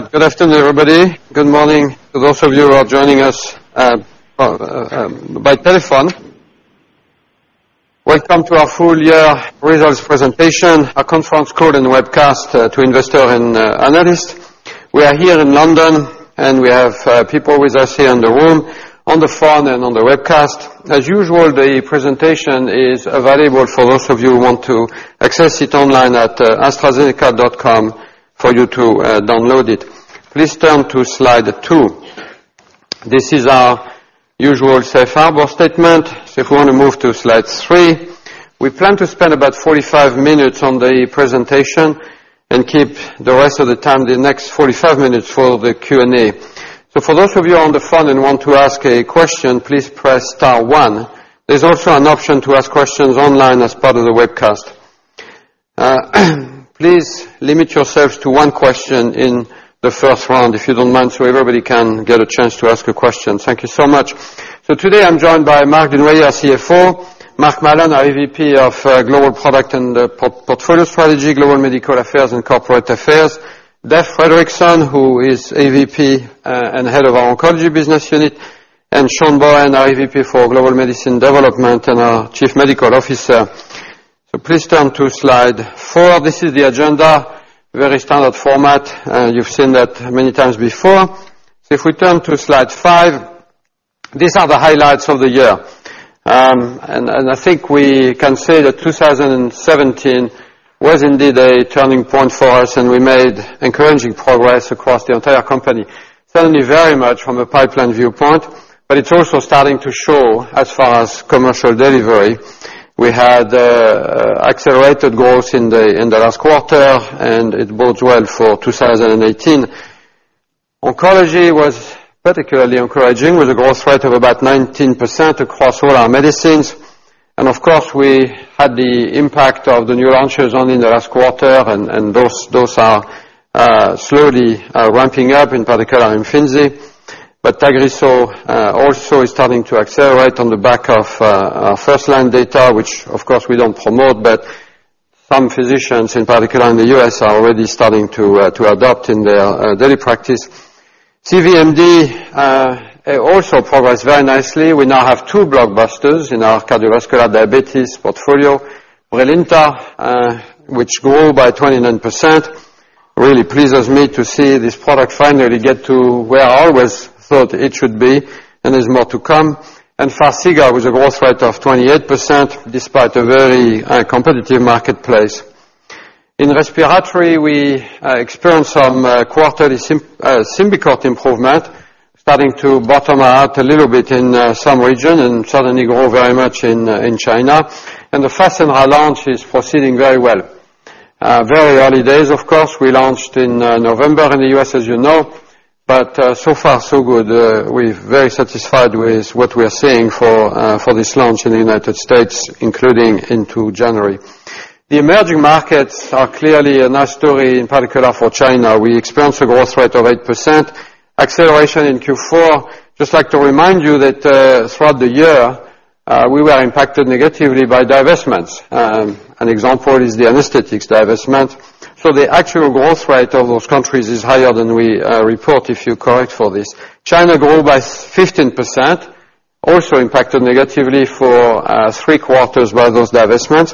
All right. Good afternoon, everybody. Good morning to those of you who are joining us by telephone. Welcome to our full year results presentation, our conference call and webcast to investor and analyst. We are here in London and we have people with us here in the room, on the phone, and on the webcast. As usual, the presentation is available for those of you who want to access it online at astrazeneca.com for you to download it. Please turn to Slide 2. This is our usual safe harbor statement. If you want to move to Slide 3. We plan to spend about 45 minutes on the presentation and keep the rest of the time, the next 45 minutes, for the Q&A. For those of you on the phone and want to ask a question, please press star one. There's also an option to ask questions online as part of the webcast. Please limit yourselves to one question in the first round, if you don't mind, so everybody can get a chance to ask a question. Thank you so much. Today I'm joined by Marc Dunoyer, our CFO, Mark Mallon, our Executive Vice President of Global Product and Portfolio Strategy, Global Medical Affairs and Corporate Affairs, Dave Fredrickson, who is Executive Vice President, and Head of our Oncology Business Unit, and Sean Bohen, our Executive Vice President for Global Medicines Development and our Chief Medical Officer. Please turn to Slide 4. This is the agenda, very standard format. You've seen that many times before. If we turn to Slide 5, these are the highlights of the year. I think we can say that 2017 was indeed a turning point for us and we made encouraging progress across the entire company. Certainly very much from a pipeline viewpoint, it's also starting to show as far as commercial delivery. We had accelerated growth in the last quarter, it bodes well for 2018. Oncology was particularly encouraging with a growth rate of about 19% across all our medicines. Of course, we had the impact of the new launches only in the last quarter and those are slowly ramping up, in particular IMFINZI. TAGRISSO also is starting to accelerate on the back of first-line data, which of course we don't promote, but some physicians, in particular in the U.S., are already starting to adopt in their daily practice. CVMD also progressed very nicely. We now have two blockbusters in our cardiovascular diabetes portfolio. BRILINTA, which grew by 29%, really pleases me to see this product finally get to where I always thought it should be, there's more to come. FARXIGA with a growth rate of 28%, despite a very competitive marketplace. In respiratory, we experienced some quarterly SYMBICORT improvement, starting to bottom out a little bit in some region and certainly grow very much in China. The FASENRA launch is proceeding very well. Very early days, of course. We launched in November in the U.S., as you know. So far so good. We're very satisfied with what we are seeing for this launch in the United States, including into January. The emerging markets are clearly a nice story, in particular for China. We experienced a growth rate of 8% acceleration in Q4. Just like to remind you that throughout the year, we were impacted negatively by divestments. An example is the anesthetics divestment. The actual growth rate of those countries is higher than we report, if you correct for this. China grew by 15%, also impacted negatively for three quarters by those divestments.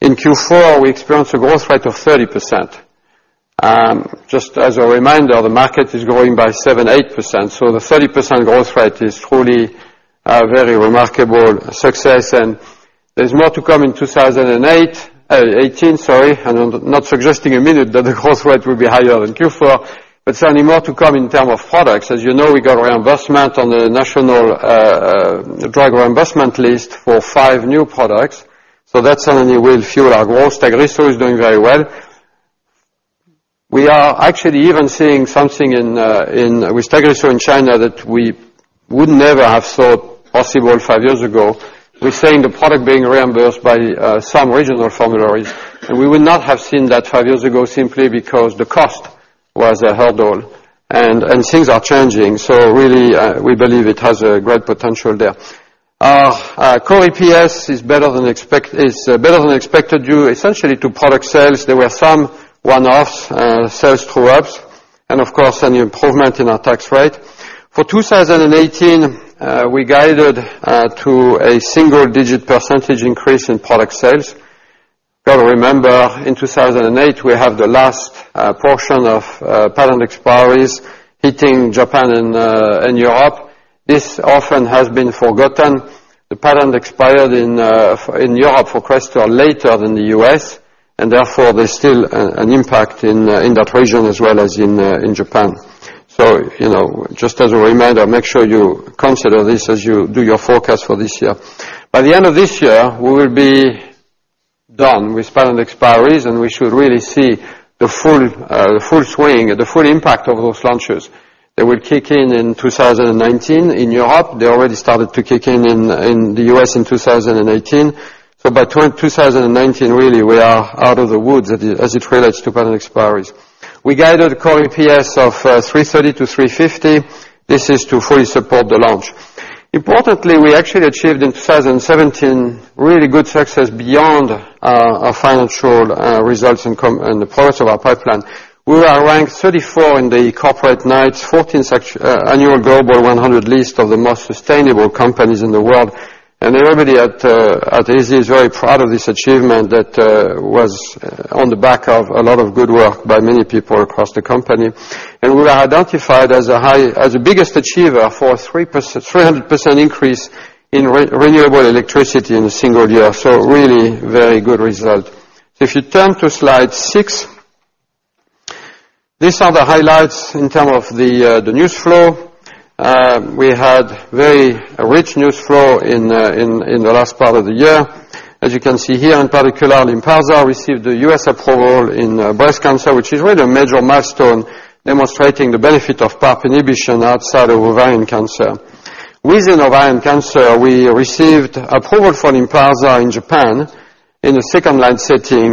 In Q4, we experienced a growth rate of 30%. Just as a reminder, the market is growing by 7%-8%, so the 30% growth rate is truly a very remarkable success and there's more to come in 2008, '18, sorry. I'm not suggesting a minute that the growth rate will be higher than Q4, but certainly more to come in term of products. As you know, we got a reimbursement on the national drug reimbursement list for five new products. That certainly will fuel our growth. TAGRISSO is doing very well. We are actually even seeing something with TAGRISSO in China that we would never have thought possible five years ago. We're seeing the product being reimbursed by some regional formularies, and we would not have seen that five years ago simply because the cost was a hurdle and things are changing. Really, we believe it has a great potential there. Our core EPS is better than expected due essentially to product sales. There were some one-offs, sales through ups, and of course, an improvement in our tax rate. For 2018, we guided to a single-digit percentage increase in product sales. You got to remember, in 2008, we have the last portion of patent expiries hitting Japan and Europe. This often has been forgotten. The patent expired in Europe for CRESTOR later than the U.S., and therefore there's still an impact in that region as well as in Japan. Just as a reminder, make sure you consider this as you do your forecast for this year. By the end of this year, we will be done with patent expiries. We should really see the full swing, the full impact of those launches, that will kick in in 2019 in Europe. They already started to kick in the U.S. in 2018. By 2019, really, we are out of the woods as it relates to patent expiries. We guided core EPS of $330-$350. This is to fully support the launch. Importantly, we actually achieved in 2017, really good success beyond our financial results and the products of our pipeline. Everybody at AZ is very proud of this achievement that was on the back of a lot of good work by many people across the company. We are identified as the biggest achiever for 300% increase in renewable electricity in a single year. Really, very good result. If you turn to slide six, these are the highlights in term of the news flow. We had very rich news flow in the last part of the year. As you can see here in particular, LYNPARZA received the U.S. approval in breast cancer, which is really a major milestone, demonstrating the benefit of PARP inhibition outside of ovarian cancer. Within ovarian cancer, we received approval for LYNPARZA in Japan in a second line setting.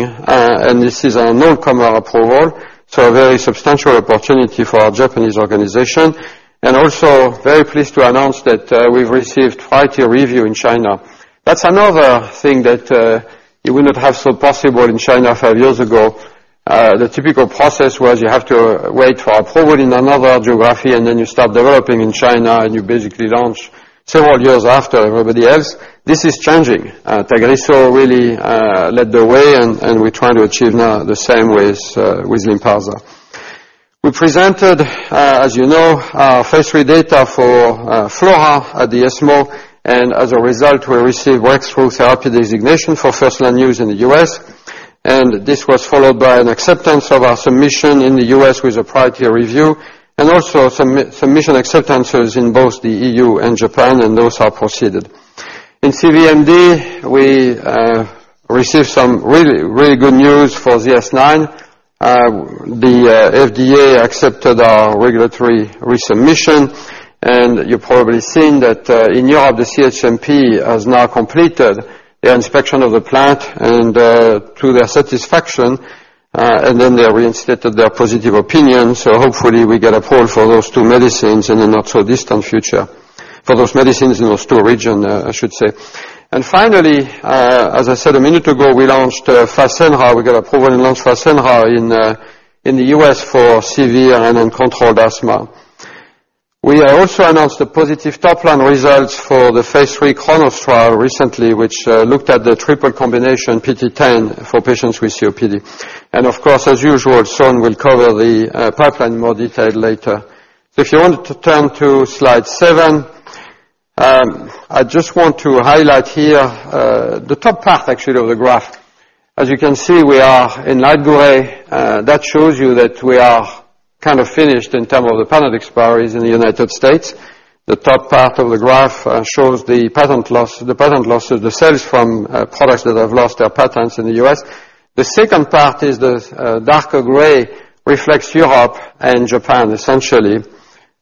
This is an all-comer approval, so a very substantial opportunity for our Japanese organization. Also very pleased to announce that we've received priority review in China. That's another thing that you wouldn't have so possible in China five years ago. The typical process was you have to wait for approval in another geography, then you start developing in China, you basically launch several years after everybody else. This is changing. TAGRISSO really led the way, we're trying to achieve now the same with LYNPARZA. We presented, as you know, our phase III data for FLAURA at the ESMO, as a result, we received breakthrough therapy designation for first-line use in the U.S., this was followed by an acceptance of our submission in the U.S. with a priority review, also submission acceptances in both the EU and Japan, those are proceeded. In CVMD, we received some really good news for ZS-9. The FDA accepted our regulatory resubmission, you've probably seen that in Europe, the CHMP has now completed the inspection of the plant to their satisfaction, then they reinstated their positive opinion. Hopefully we get approval for those two medicines in the not so distant future, for those medicines in those two region, I should say. Finally, as I said a minute ago, we got approval and launched FASENRA in the U.S. for severe and uncontrolled asthma. We also announced the positive top line results for the phase III KRONOS trial recently, which looked at the triple combination PT010 for patients with COPD. Of course, as usual, Sean will cover the pipeline in more detail later. If you want to turn to slide seven, I just want to highlight here, the top part actually of the graph. As you can see, we are in light gray. That shows you that we are kind of finished in term of the patent expiries in the United States. The top part of the graph shows the patent loss of the sales from products that have lost their patents in the U.S. The second part is the darker gray reflects Europe and Japan, essentially.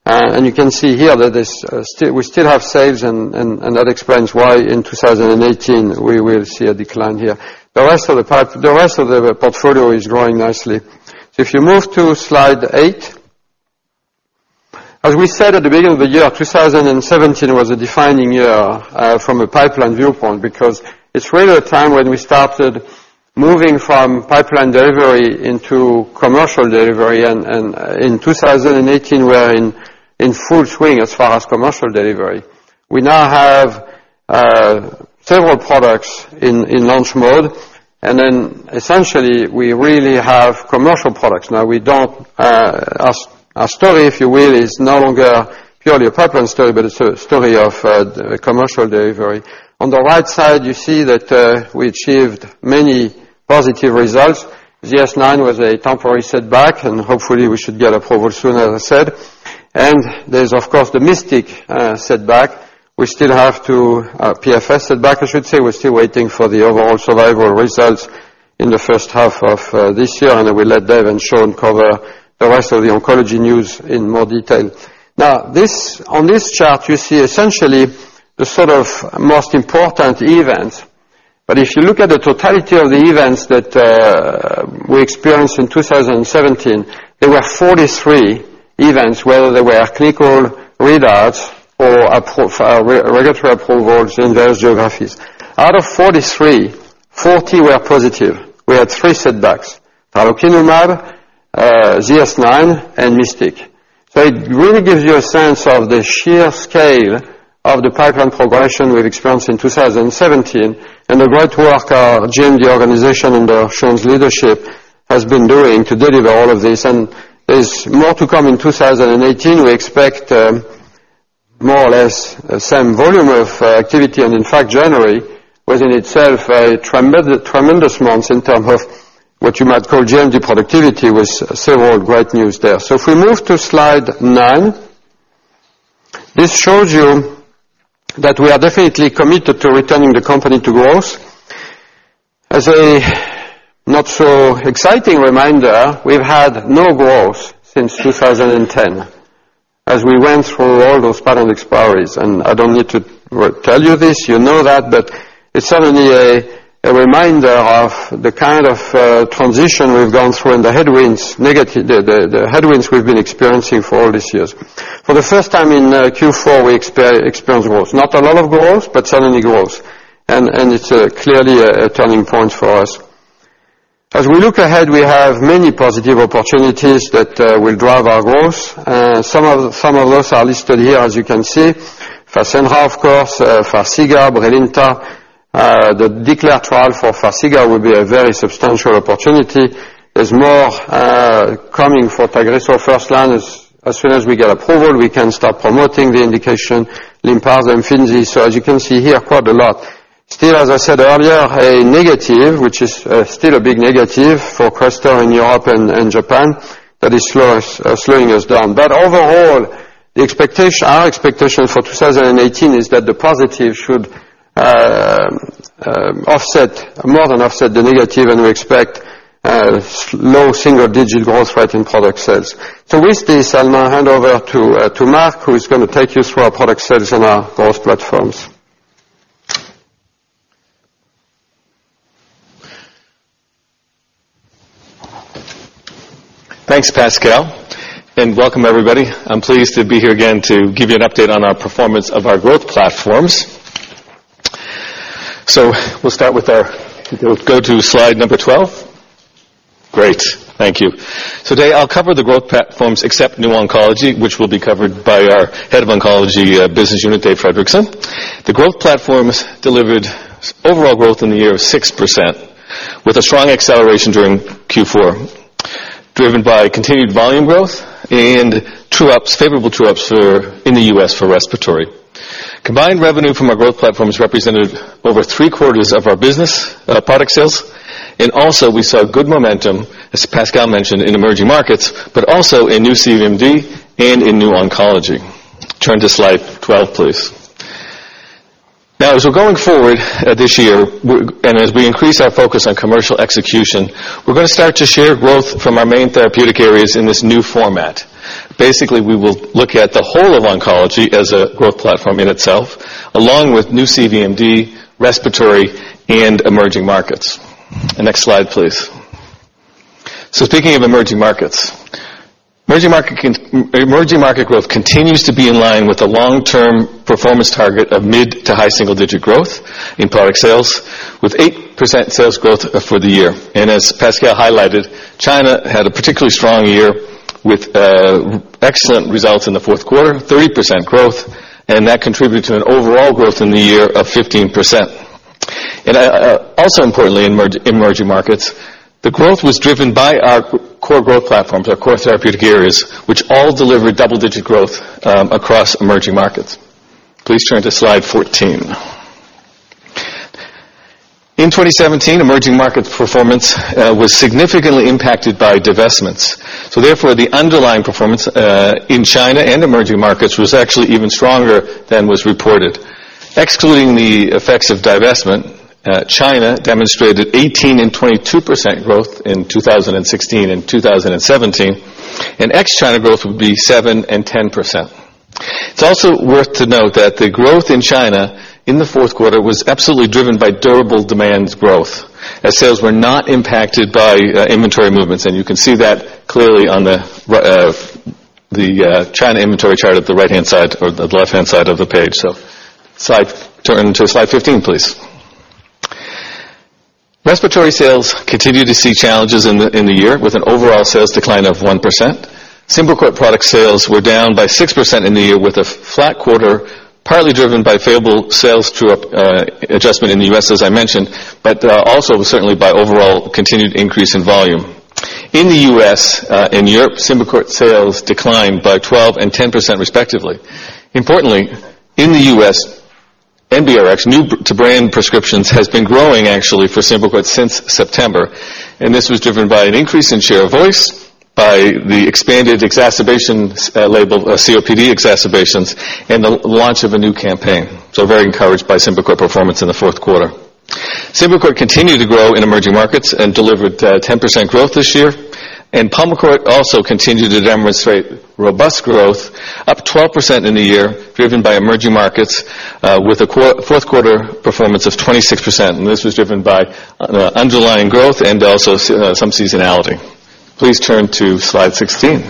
You can see here that we still have sales, that explains why in 2018, we will see a decline here. The rest of the portfolio is growing nicely. If you move to slide eight, as we said at the beginning of the year, 2017 was a defining year from a pipeline viewpoint because it's really a time when we started moving from pipeline delivery into commercial delivery, in 2018, we are in full swing as far as commercial delivery. We now have several products in launch mode, then essentially, we really have commercial products now. Our story, if you will, is no longer purely a pipeline story, but it's a story of commercial delivery. On the right side, you see that we achieved many positive results. ZS-9 was a temporary setback, hopefully we should get approval soon, as I said. There's, of course, the MYSTIC PFS setback, I should say. We're still waiting for the overall survival results in the first half of this year, I will let Dave and Sean cover the rest of the oncology news in more detail. On this chart, you see essentially the sort of most important events. If you look at the totality of the events that we experienced in 2017, there were 43 events, whether they were clinical readouts or regulatory approvals in various geographies. Out of 43, 40 were positive. We had three setbacks, tralokinumab, ZS-9, and MYSTIC. It really gives you a sense of the sheer scale of the pipeline progression we've experienced in 2017 and the great work our GMD organization under Sean's leadership has been doing to deliver all of this and there's more to come in 2018. We expect more or less same volume of activity, and in fact, January was in itself a tremendous month in terms of what you might call GMD productivity with several great news there. If we move to slide nine, this shows you that we are definitely committed to returning the company to growth. As a not so exciting reminder, we've had no growth since 2010 as we went through all those patent expiries. I don't need to tell you this, you know that. It's certainly a reminder of the kind of transition we've gone through and the headwinds we've been experiencing for all these years. For the first time in Q4, we experienced growth. Not a lot of growth, but certainly growth, and it's clearly a turning point for us. As we look ahead, we have many positive opportunities that will drive our growth. Some of those are listed here, as you can see. FASENRA, of course, FARXIGA, BRILINTA. The DECLARE trial for FARXIGA will be a very substantial opportunity. There's more coming for TAGRISSO first line as soon as we get approval, we can start promoting the indication. LYNPARZA and IMFINZI. As you can see here, quite a lot. Still, as I said earlier, a negative, which is still a big negative for CRESTOR in Europe and Japan, that is slowing us down. Overall, our expectation for 2018 is that the positive should more than offset the negative, and we expect low single-digit growth rate in product sales. With this, I'll now hand over to Mark, who is going to take you through our product sales and our growth platforms. Thanks, Pascal. Welcome everybody. I'm pleased to be here again to give you an update on our performance of our growth platforms. We'll start with our Go to slide number 12. Great. Thank you. Today, I'll cover the growth platforms except New Oncology, which will be covered by our head of oncology business unit, Dave Fredrickson. The growth platforms delivered overall growth in the year of 6%, with a strong acceleration during Q4, driven by continued volume growth and favorable true-ups in the U.S. for Respiratory. Combined revenue from our growth platforms represented over three-quarters of our business product sales. Also we saw good momentum, as Pascal mentioned, in emerging markets, but also in New CVMD and in New Oncology. Turn to slide 12, please. As we're going forward this year, and as we increase our focus on commercial execution, we're going to start to share growth from our main therapeutic areas in this new format. We will look at the whole of oncology as a growth platform in itself, along with new CVMD, Respiratory and emerging markets. Next slide, please. Speaking of emerging markets. Emerging market growth continues to be in line with the long-term performance target of mid to high single-digit growth in product sales with 8% sales growth for the year. As Pascal highlighted, China had a particularly strong year with excellent results in the fourth quarter, 30% growth, and that contributed to an overall growth in the year of 15%. Also importantly in emerging markets, the growth was driven by our core growth platforms, our core therapeutic areas, which all delivered double-digit growth across emerging markets. Please turn to slide 14. In 2017, emerging market performance was significantly impacted by divestments. Therefore, the underlying performance, in China and emerging markets was actually even stronger than was reported. Excluding the effects of divestment, China demonstrated 18% and 22% growth in 2016 and 2017, and ex-China growth would be 7% and 10%. It's also worth to note that the growth in China in the fourth quarter was absolutely driven by durable demand growth, as sales were not impacted by inventory movements, and you can see that clearly on the China inventory chart at the right-hand side or the left-hand side of the page. Turn to slide 15, please. Respiratory sales continue to see challenges in the year, with an overall sales decline of 1%. SYMBICORT product sales were down by 6% in the year, with a flat quarter, partly driven by favorable sales through adjustment in the U.S., as I mentioned, but also certainly by overall continued increase in volume. In the U.S. and Europe, SYMBICORT sales declined by 12% and 10%, respectively. Importantly, in the U.S., NBRx, new-to-brand prescriptions, has been growing actually for SYMBICORT since September, and this was driven by an increase in share of voice, by the expanded COPD exacerbations, and the launch of a new campaign. Very encouraged by SYMBICORT performance in the fourth quarter. SYMBICORT continued to grow in emerging markets and delivered 10% growth this year, and PULMICORT also continued to demonstrate robust growth, up 12% in the year, driven by emerging markets with a fourth quarter performance of 26%, and this was driven by underlying growth and also some seasonality. Please turn to slide 16.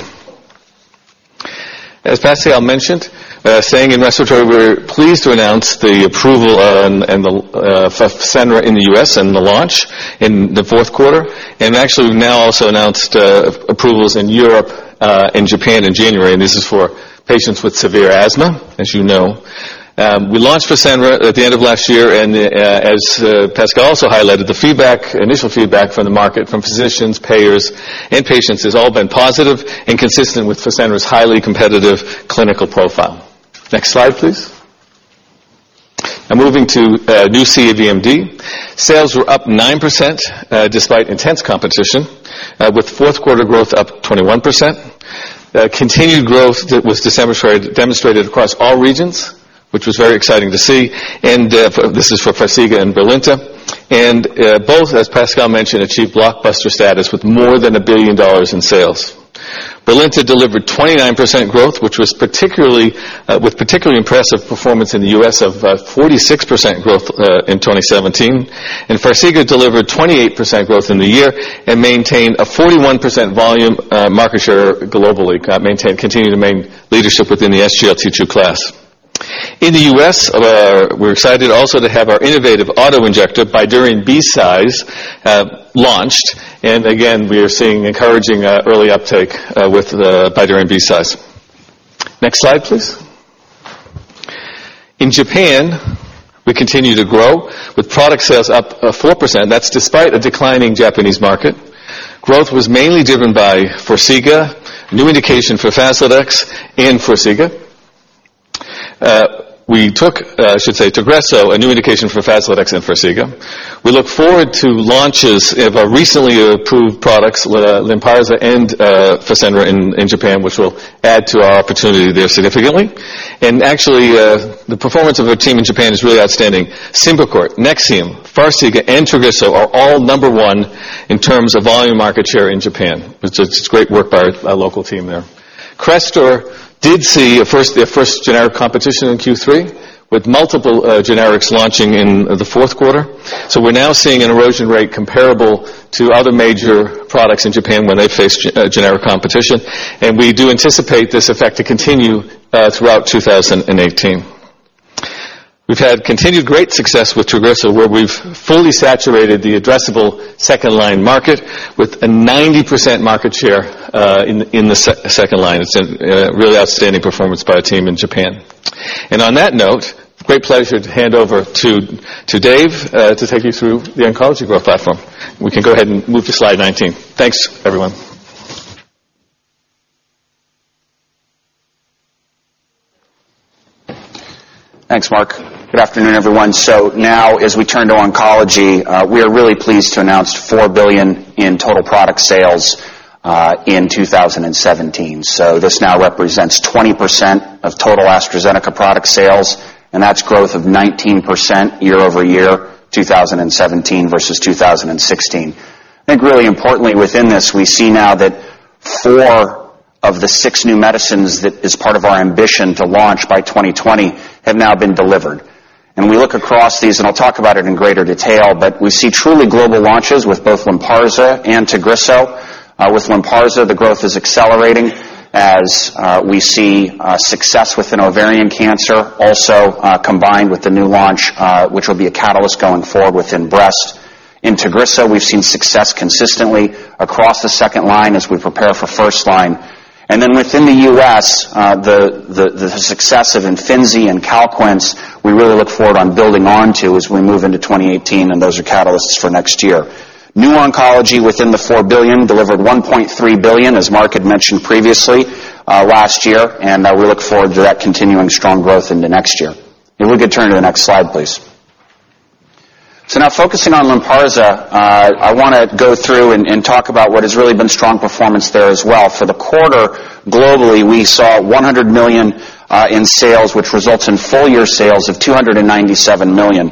As Pascal mentioned, staying in Respiratory, we're pleased to announce the approval of FASENRA in the U.S. and the launch in the fourth quarter. We've now also announced approvals in Europe and Japan in January, and this is for patients with severe asthma, as you know. We launched FASENRA at the end of last year, and as Pascal also highlighted, the initial feedback from the market from physicians, payers, and patients has all been positive and consistent with FASENRA's highly competitive clinical profile. Next slide, please. Moving to new CVMD. Sales were up 9%, despite intense competition, with fourth quarter growth up 21%. Continued growth that was demonstrated across all regions, which was very exciting to see. This is for FARXIGA and BRILINTA. Both, as Pascal mentioned, achieved blockbuster status with more than $1 billion in sales. BRILINTA delivered 29% growth, with particularly impressive performance in the U.S. of 46% growth in 2017. FARXIGA delivered 28% growth in the year and maintained a 41% volume market share globally, continuing to maintain leadership within the SGLT2 class. In the U.S., we're excited also to have our innovative auto-injector, BYDUREON BCise, launched. Again, we are seeing encouraging early uptake with BYDUREON BCise. Next slide, please. In Japan, we continue to grow, with product sales up 4%. That's despite a declining Japanese market. Growth was mainly driven by FARXIGA, new indication for FASLODEX, and FARXIGA. We took, I should say, TAGRISSO, a new indication for FASLODEX and FARXIGA. We look forward to launches of our recently approved products, LYNPARZA and FASENRA in Japan, which will add to our opportunity there significantly. Actually, the performance of our team in Japan is really outstanding. SYMBICORT, NEXIUM, FARXIGA, and TAGRISSO are all number one in terms of volume market share in Japan. It's great work by our local team there. CRESTOR did see their first generic competition in Q3, with multiple generics launching in the fourth quarter. We're now seeing an erosion rate comparable to other major products in Japan when they faced generic competition, and we do anticipate this effect to continue throughout 2018. We've had continued great success with TAGRISSO, where we've fully saturated the addressable second-line market with a 90% market share in the second line. It's a really outstanding performance by our team in Japan. On that note, great pleasure to hand over to Dave to take you through the Oncology growth platform. We can go ahead and move to slide 19. Thanks, everyone. Thanks, Mark. Good afternoon, everyone. Now, as we turn to Oncology, we are really pleased to announce $4 billion in total product sales in 2017. This now represents 20% of total AstraZeneca product sales, and that's growth of 19% year-over-year, 2017 versus 2016. I think really importantly within this, we see now that four of the six new medicines that is part of our ambition to launch by 2020 have now been delivered. We look across these, and I'll talk about it in greater detail, but we see truly global launches with both LYNPARZA and TAGRISSO. With LYNPARZA, the growth is accelerating as we see success within ovarian cancer, also combined with the new launch, which will be a catalyst going forward within breast. In TAGRISSO, we've seen success consistently across the second line as we prepare for first line. Within the U.S., the success of IMFINZI and CALQUENCE, we really look forward on building onto as we move into 2018, and those are catalysts for next year. New Oncology within the $4 billion delivered $1.3 billion, as Mark had mentioned previously, last year, and we look forward to that continuing strong growth into next year. If we could turn to the next slide, please. Now focusing on LYNPARZA, I want to go through and talk about what has really been strong performance there as well. For the quarter, globally, we saw $100 million in sales, which results in full-year sales of $297 million,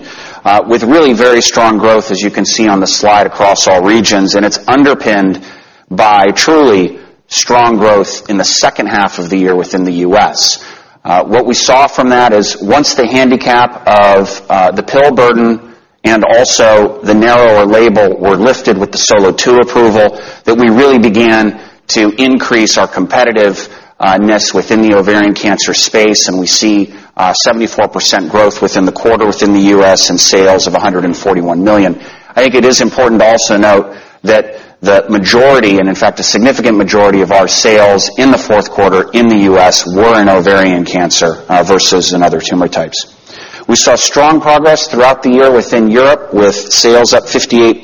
with really very strong growth, as you can see on the slide, across all regions, and it's underpinned by truly strong growth in the second half of the year within the U.S. What we saw from that is once the handicap of the pill burden and also the narrower label were lifted with the SOLO-2 approval, that we really began to increase our competitiveness within the ovarian cancer space, and we see a 74% growth within the quarter within the U.S. in sales of $141 million. I think it is important to also note that the majority, and in fact, a significant majority of our sales in the fourth quarter in the U.S. were in ovarian cancer versus in other tumor types. We saw strong progress throughout the year within Europe, with sales up 58%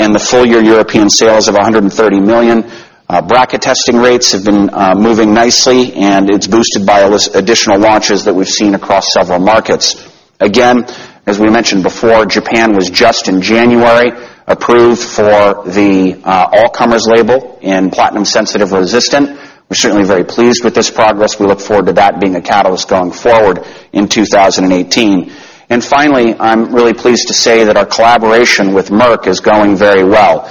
in the full-year European sales of $130 million. BRCA testing rates have been moving nicely, and it's boosted by additional launches that we've seen across several markets. Again, as we mentioned before, Japan was just in January approved for the all-comers label in platinum-sensitive resistant. We're certainly very pleased with this progress. We look forward to that being a catalyst going forward in 2018. Finally, I'm really pleased to say that our collaboration with Merck is going very well.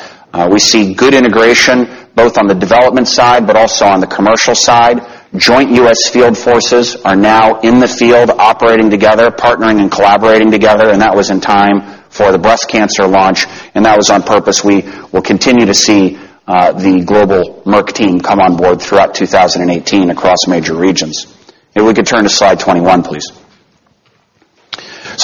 We see good integration, both on the development side, but also on the commercial side. Joint U.S. field forces are now in the field operating together, partnering, and collaborating together, and that was in time for the breast cancer launch, and that was on purpose. We will continue to see the global Merck team come on board throughout 2018 across major regions. If we could turn to slide 21, please.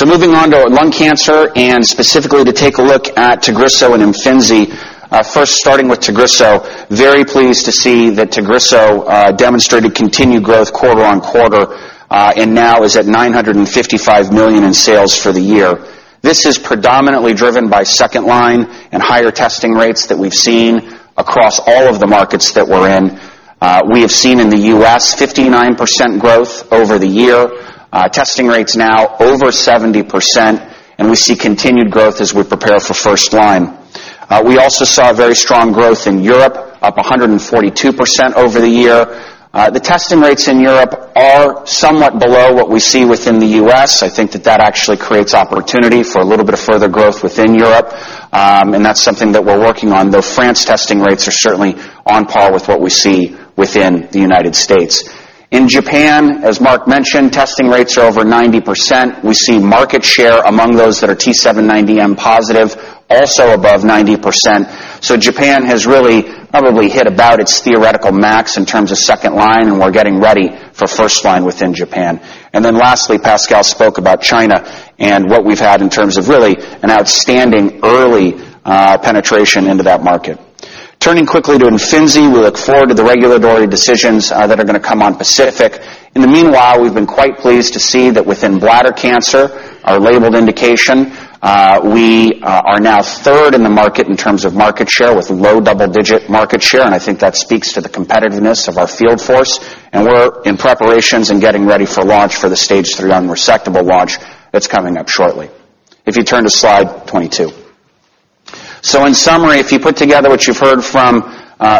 Moving on to lung cancer, and specifically to take a look at TAGRISSO and IMFINZI. First, starting with TAGRISSO, very pleased to see that TAGRISSO demonstrated continued growth quarter on quarter and now is at $955 million in sales for the year. This is predominantly driven by second-line and higher testing rates that we've seen across all of the markets that we're in. We have seen in the U.S. 59% growth over the year, testing rates now over 70%, and we see continued growth as we prepare for first line. We also saw very strong growth in Europe, up 142% over the year. The testing rates in Europe are somewhat below what we see within the U.S. I think that that actually creates opportunity for a little bit of further growth within Europe. That's something that we're working on. The France testing rates are certainly on par with what we see within the U.S. In Japan, as Marc mentioned, testing rates are over 90%. We see market share among those that are T790M positive, also above 90%. Japan has really probably hit about its theoretical max in terms of second line, and we're getting ready for first line within Japan. Lastly, Pascal spoke about China, and what we've had in terms of really an outstanding early penetration into that market. Turning quickly to IMFINZI, we look forward to the regulatory decisions that are going to come on PACIFIC. In the meanwhile, we've been quite pleased to see that within bladder cancer, our labeled indication, we are now third in the market in terms of market share with low double-digit market share, and I think that speaks to the competitiveness of our field force. We're in preparations and getting ready for launch for the stage 3 unresectable launch that's coming up shortly. If you turn to slide 22. In summary, if you put together what you have heard from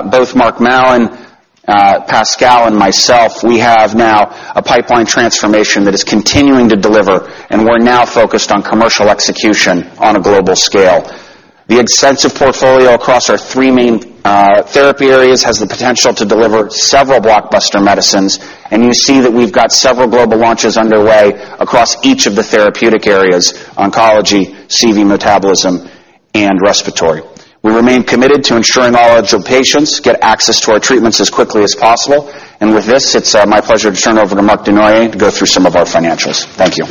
both Mark Mallon, Pascal, and myself, we have now a pipeline transformation that is continuing to deliver, and we are now focused on commercial execution on a global scale. The extensive portfolio across our three main therapy areas has the potential to deliver several blockbuster medicines, and you see that we have got several global launches underway across each of the therapeutic areas, oncology, CVMD, and respiratory. We remain committed to ensuring all eligible patients get access to our treatments as quickly as possible. And with this, it is my pleasure to turn over to Marc Dunoyer to go through some of our financials. Thank you.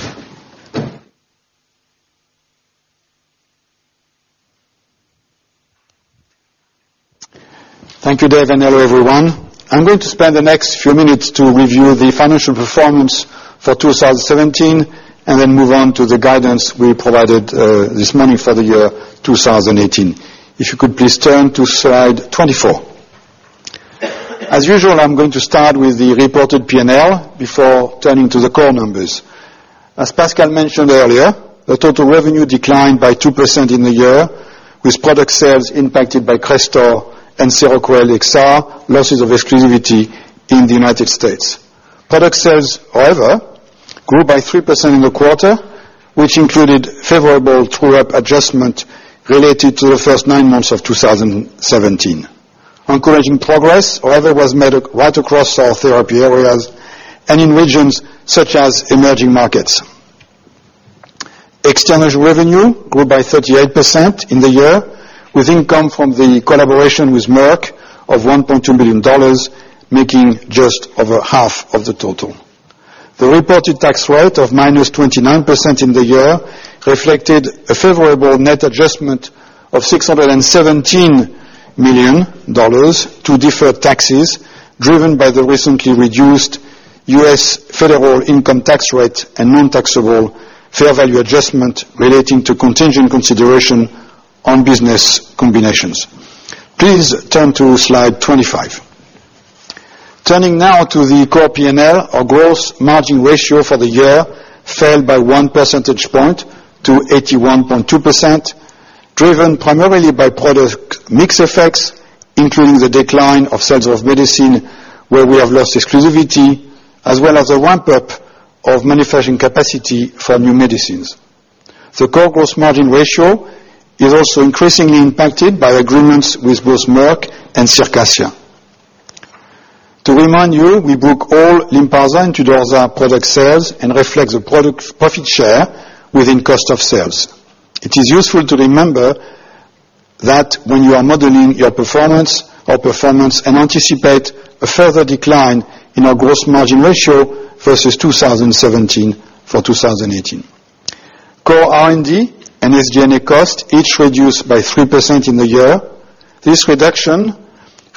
Thank you, Dave, and hello, everyone. I am going to spend the next few minutes to review the financial performance for 2017, and then move on to the guidance we provided this morning for the year 2018. If you could please turn to slide 24. As usual, I am going to start with the reported P&L before turning to the core numbers. As Pascal mentioned earlier, the total revenue declined by 2% in the year, with product sales impacted by CRESTOR and Seroquel XR, losses of exclusivity in the U.S. Product sales, however, grew by 3% in the quarter, which included favorable true-up adjustment related to the first nine months of 2017. Encouraging progress, however, was made right across our therapy areas and in regions such as emerging markets. External revenue grew by 38% in the year, with income from the collaboration with Merck of $1.2 billion, making just over half of the total. The reported tax rate of -29% in the year reflected a favorable net adjustment of $617 million to deferred taxes, driven by the recently reduced U.S. federal income tax rate and non-taxable fair value adjustment relating to contingent consideration on business combinations. Please turn to slide 25. Turning now to the core P&L, our gross margin ratio for the year fell by one percentage point to 81.2%, driven primarily by product mix effects, including the decline of sales of medicine, where we have lost exclusivity, as well as the ramp-up of manufacturing capacity for new medicines. The core gross margin ratio is also increasingly impacted by agreements with both Merck and Circassia. To remind you, we book all LYNPARZA and Duaklir product sales and reflect the product profit share within cost of sales. It is useful to remember that when you are modeling our performance and anticipate a further decline in our gross margin ratio versus 2017 for 2018. Core R&D and SG&A cost each reduced by 3% in the year. This reduction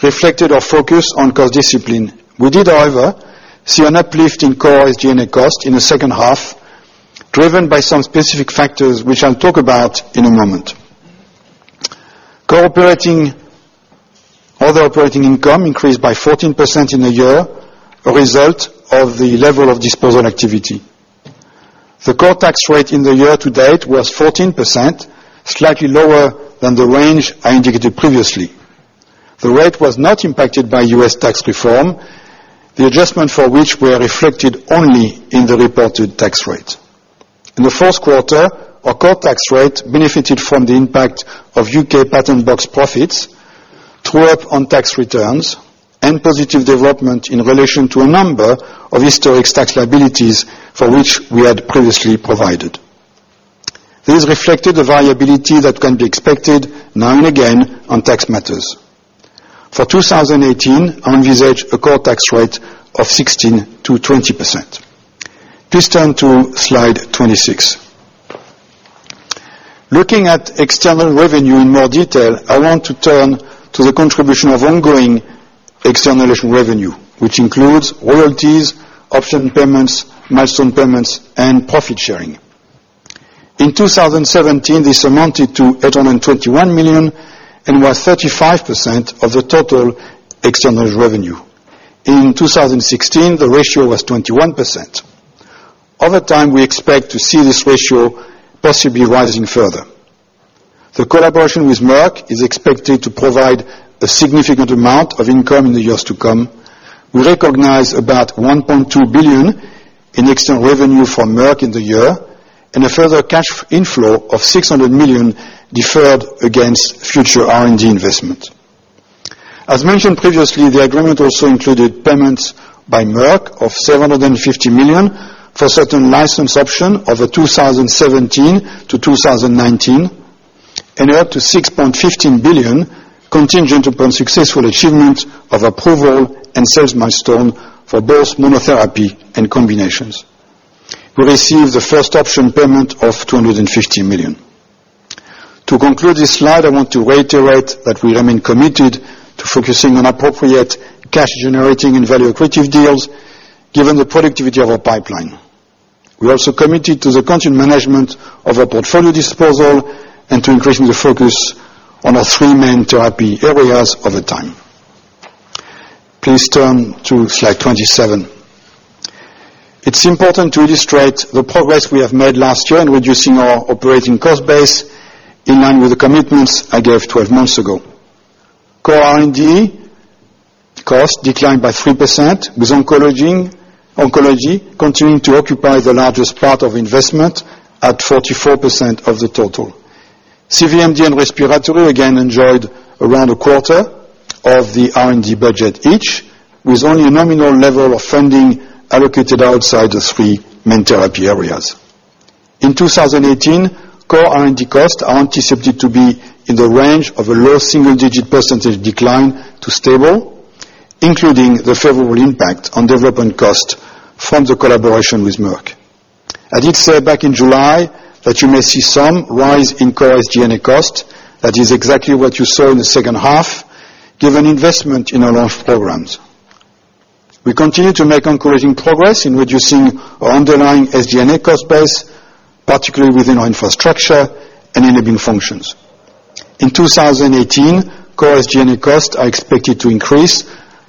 reflected our focus on cost discipline. We did, however, see an uplift in core SG&A cost in the second half, driven by some specific factors, which I will talk about in a moment. Other operating income increased by 14% in the year, a result of the level of disposal activity. The core tax rate in the year to date was 14%, slightly lower than the range I indicated previously. The rate was not impacted by U.S. tax reform, the adjustment for which were reflected only in the reported tax rate. In the first quarter, our core tax rate benefited from the impact of U.K. Patent Box profits, true-up on tax returns, and positive development in relation to a number of historic tax liabilities for which we had previously provided. These reflected the variability that can be expected now and again on tax matters. For 2018, I envisage a core tax rate of 16%-20%. Please turn to slide 26. Looking at external revenue in more detail, I want to turn to the contribution of ongoing external revenue, which includes royalties, option payments, milestone payments, and profit sharing. In 2017, this amounted to $821 million and was 35% of the total external revenue. In 2016, the ratio was 21%. Over time, we expect to see this ratio possibly rising further. The collaboration with Merck is expected to provide a significant amount of income in the years to come. We recognize about $1.2 billion in external revenue from Merck in the year, and a further cash inflow of $600 million deferred against future R&D investment. As mentioned previously, the agreement also included payments by Merck of $750 million for certain license option over 2017 to 2019, and up to $6.15 billion contingent upon successful achievement of approval and sales milestone for both monotherapy and combinations. We received the first option payment of $250 million. To conclude this slide, I want to reiterate that we remain committed to focusing on appropriate cash generating and value accretive deals given the productivity of our pipeline. We also committed to the continued management of our portfolio disposal and to increasing the focus on our three main therapy areas over time. Please turn to slide 27. It's important to illustrate the progress we have made last year in reducing our operating cost base in line with the commitments I gave 12 months ago. Core R&D cost declined by 3%, with oncology continuing to occupy the largest part of investment at 44% of the total. CVMD and respiratory again enjoyed around a quarter of the R&D budget each, with only a nominal level of funding allocated outside the three main therapy areas. In 2018, core R&D costs are anticipated to be in the range of a low single-digit percentage decline to stable, including the favorable impact on development cost from the collaboration with Merck. I did say back in July that you may see some rise in core SG&A cost. That is exactly what you saw in the second half, given investment in our launch programs. We continue to make encouraging progress in reducing our underlying SG&A cost base, particularly within our infrastructure and enabling functions. In 2018, core SG&A cost are expected to increase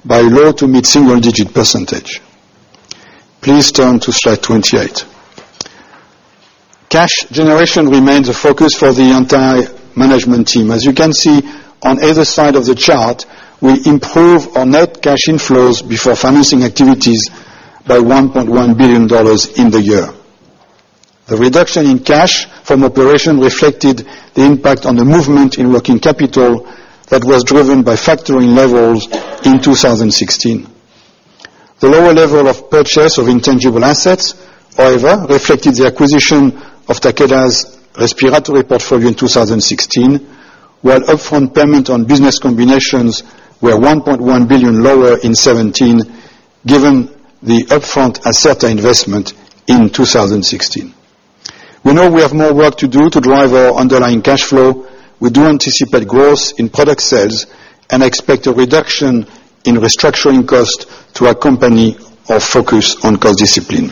by low to mid single-digit percentage. Please turn to slide 28. Cash generation remains a focus for the entire management team. As you can see on either side of the chart, we improve our net cash inflows before financing activities by $1.1 billion in the year. The reduction in cash from operation reflected the impact on the movement in working capital that was driven by factoring levels in 2016. The lower level of purchase of intangible assets, however, reflected the acquisition of Takeda's respiratory portfolio in 2016, while upfront payment on business combinations were $1.1 billion lower in 2017, given the upfront Acerta investment in 2016. We know we have more work to do to drive our underlying cash flow. We do anticipate growth in product sales and expect a reduction in restructuring cost to accompany our focus on cost discipline.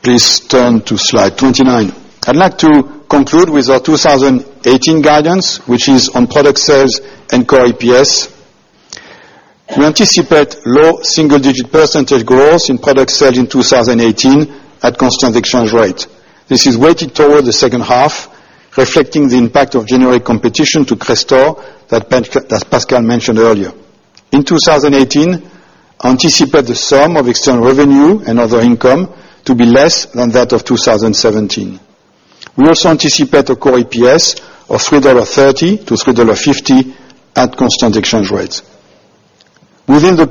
Please turn to slide 29. I'd like to conclude with our 2018 guidance, which is on product sales and core EPS. We anticipate low single-digit % growth in product sales in 2018 at constant exchange rate. This is weighted toward the second half, reflecting the impact of generic competition to CRESTOR that Pascal mentioned earlier. In 2018, anticipate the sum of external revenue and other income to be less than that of 2017. We also anticipate a core EPS of $3.30 to $3.50 at constant exchange rates. Within the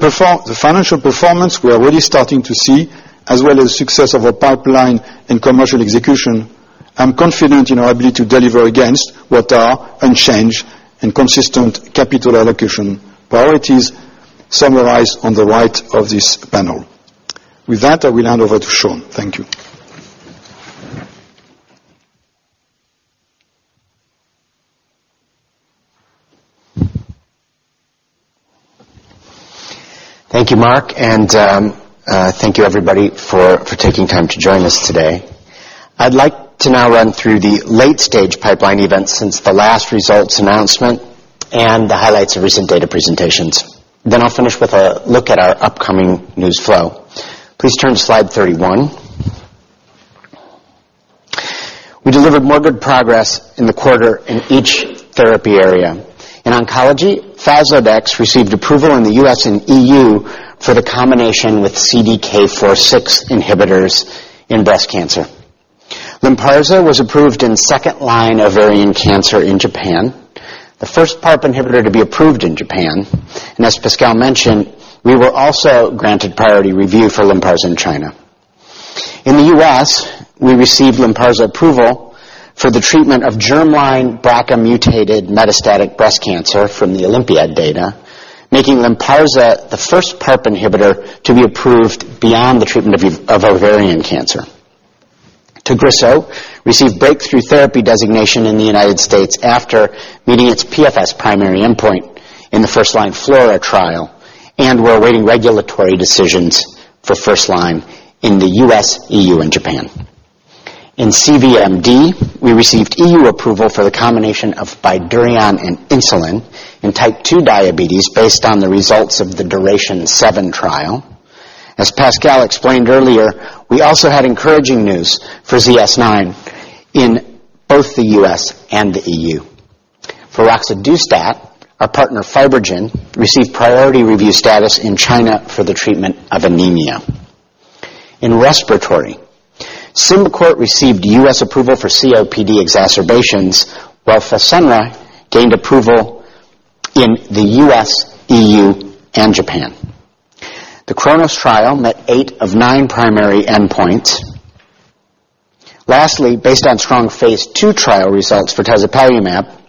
financial performance we are already starting to see, as well as success of our pipeline and commercial execution, I'm confident in our ability to deliver against what are unchanged and consistent capital allocation priorities summarized on the right of this panel. With that, I will hand over to Sean. Thank you. Thank you, Marc, thank you everybody for taking time to join us today. I'd like to now run through the late stage pipeline events since the last results announcement and the highlights of recent data presentations. I'll finish with a look at our upcoming news flow. Please turn to slide 31. We delivered more good progress in the quarter in each therapy area. In oncology, FASLODEX received approval in the U.S. and EU for the combination with CDK4/6 inhibitors in breast cancer. LYNPARZA was approved in second line ovarian cancer in Japan, the first PARP inhibitor to be approved in Japan. As Pascal mentioned, we were also granted priority review for LYNPARZA in China. In the U.S., we received LYNPARZA approval for the treatment of germline BRCA-mutated metastatic breast cancer from the OlympiAD data, making LYNPARZA the first PARP inhibitor to be approved beyond the treatment of ovarian cancer. TAGRISSO received breakthrough therapy designation in the United States after meeting its PFS primary endpoint in the first line FLAURA trial. We're awaiting regulatory decisions for first line in the U.S., EU, and Japan. In CVMD, we received EU approval for the combination of BYDUREON and insulin in type 2 diabetes based on the results of the DURATION-7 trial. As Pascal explained earlier, we also had encouraging news for ZS-9 in both the U.S. and the EU. For roxadustat, our partner, FibroGen, received priority review status in China for the treatment of anemia. In respiratory, SYMBICORT received U.S. approval for COPD exacerbations, while FASENRA gained approval in the U.S., EU, and Japan. The KRONOS trial met eight of nine primary endpoints. Lastly, based on strong phase II trial results for tezepelumab,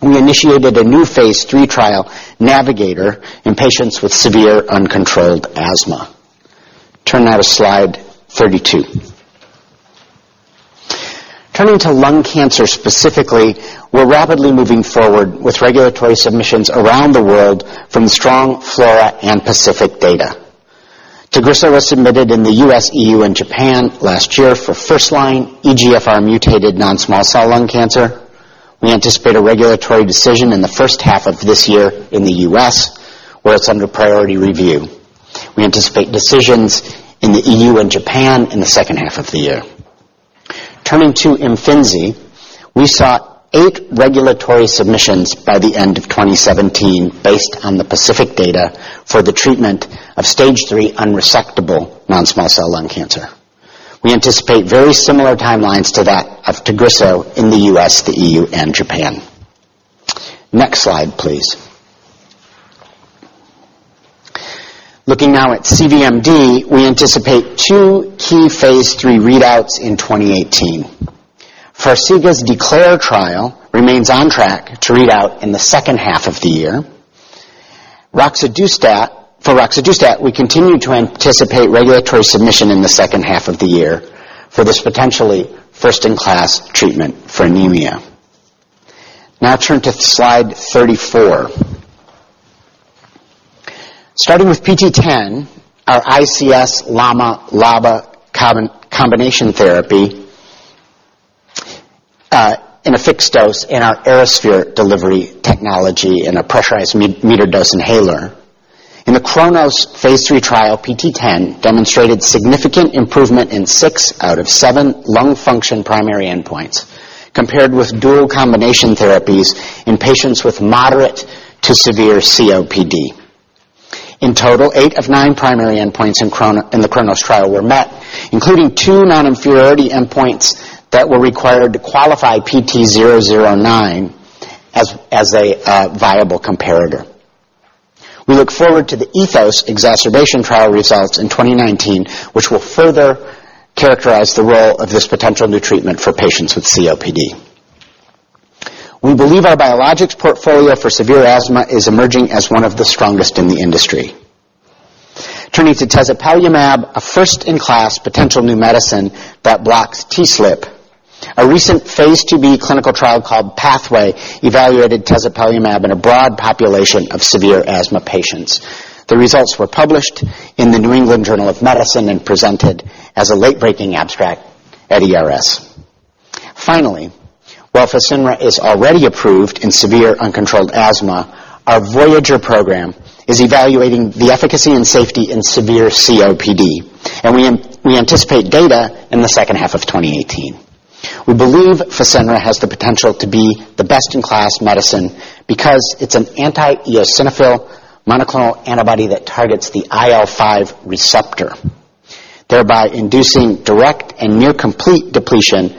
we initiated a new phase III trial, NAVIGATOR, in patients with severe uncontrolled asthma. Turn now to slide 32. Turning to lung cancer specifically, we're rapidly moving forward with regulatory submissions around the world from strong FLAURA and PACIFIC data. TAGRISSO was submitted in the U.S., EU, and Japan last year for first-line EGFR-mutated non-small cell lung cancer. We anticipate a regulatory decision in the first half of this year in the U.S., where it's under priority review. We anticipate decisions in the EU and Japan in the second half of the year. Turning to IMFINZI, we saw eight regulatory submissions by the end of 2017 based on the PACIFIC data for the treatment of stage 3 unresectable non-small cell lung cancer. We anticipate very similar timelines to that of TAGRISSO in the U.S., the EU, and Japan. Next slide, please. Looking now at CVMD, we anticipate two key phase III readouts in 2018. FARXIGA's DECLARE trial remains on track to read out in the second half of the year. For roxadustat, we continue to anticipate regulatory submission in the second half of the year for this potentially first-in-class treatment for anemia. Now turn to slide 34. Starting with PT010, our ICS LAMA/LABA combination therapy in a fixed dose in our Aerosphere delivery technology in a pressurized meter dose inhaler. In the KRONOS phase III trial, PT010 demonstrated significant improvement in six out of seven lung function primary endpoints compared with dual combination therapies in patients with moderate to severe COPD. In total, eight of nine primary endpoints in the KRONOS trial were met, including two non-inferiority endpoints that were required to qualify PT009 as a viable comparator. We look forward to the ETHOS exacerbation trial results in 2019, which will further characterize the role of this potential new treatment for patients with COPD. We believe our biologics portfolio for severe asthma is emerging as one of the strongest in the industry. Turning to tezepelumab, a first-in-class potential new medicine that blocks TSLP. A recent Phase II-B clinical trial called PATHWAY evaluated tezepelumab in a broad population of severe asthma patients. The results were published in "The New England Journal of Medicine" and presented as a late-breaking abstract at ERS. Finally, while FASENRA is already approved in severe uncontrolled asthma, our VOYAGER program is evaluating the efficacy and safety in severe COPD, and we anticipate data in the second half of 2018. We believe FASENRA has the potential to be the best-in-class medicine because it's an anti-eosinophil monoclonal antibody that targets the IL-5 receptor, thereby inducing direct and near complete depletion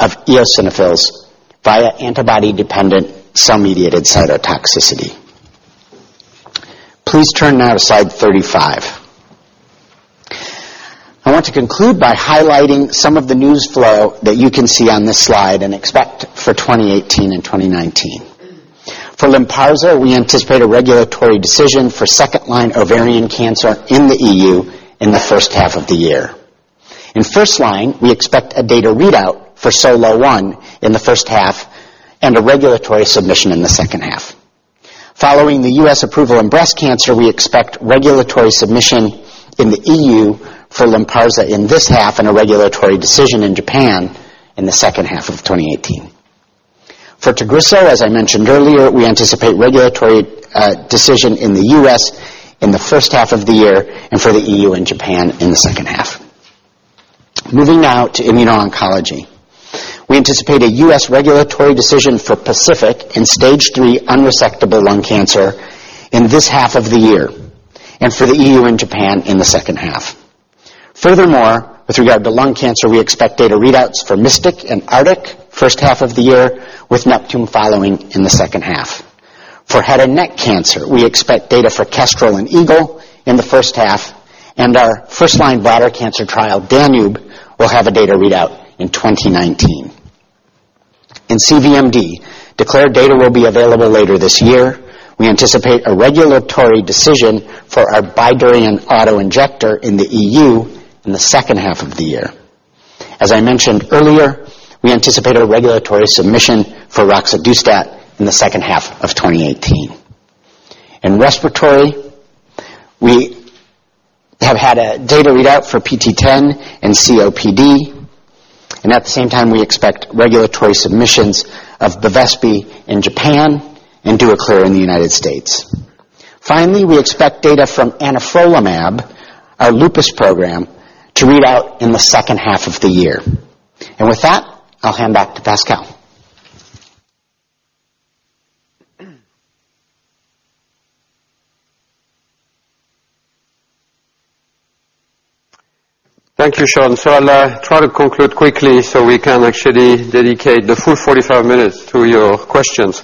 of eosinophils via antibody-dependent, cell-mediated cytotoxicity. Please turn now to slide 35. I want to conclude by highlighting some of the news flow that you can see on this slide and expect for 2018 and 2019. For LYNPARZA, we anticipate a regulatory decision for second-line ovarian cancer in the EU in the first half of the year. In first-line, we expect a data readout for SOLO-1 in the first half and a regulatory submission in the second half. Following the U.S. approval in breast cancer, we expect regulatory submission in the EU for LYNPARZA in this half and a regulatory decision in Japan in the second half of 2018. For TAGRISSO, as I mentioned earlier, we anticipate regulatory decision in the U.S. in the first half of the year and for the EU and Japan in the second half. Moving now to immuno-oncology. We anticipate a U.S. regulatory decision for PACIFIC in stage 3 unresectable lung cancer in this half of the year and for the EU and Japan in the second half. Furthermore, with regard to lung cancer, we expect data readouts for MYSTIC and ARCTIC first half of the year, with NEPTUNE following in the second half. For head and neck cancer, we expect data for KESTREL and EAGLE in the first half, and our first-line bladder cancer trial, DANUBE, will have a data readout in 2019. In CVMD, DECLARE data will be available later this year. We anticipate a regulatory decision for our Bydureon auto-injector in the EU in the second half of the year. As I mentioned earlier, we anticipate a regulatory submission for roxadustat in the second half of 2018. In respiratory, we have had a data readout for PT010 in COPD. At the same time, we expect regulatory submissions of BEVESPI in Japan and Duaklir in the United States. Finally, we expect data from anifrolumab, our lupus program, to read out in the second half of the year. With that, I'll hand back to Pascal. Thank you, Sean. I'll try to conclude quickly so we can actually dedicate the full 45 minutes to your questions.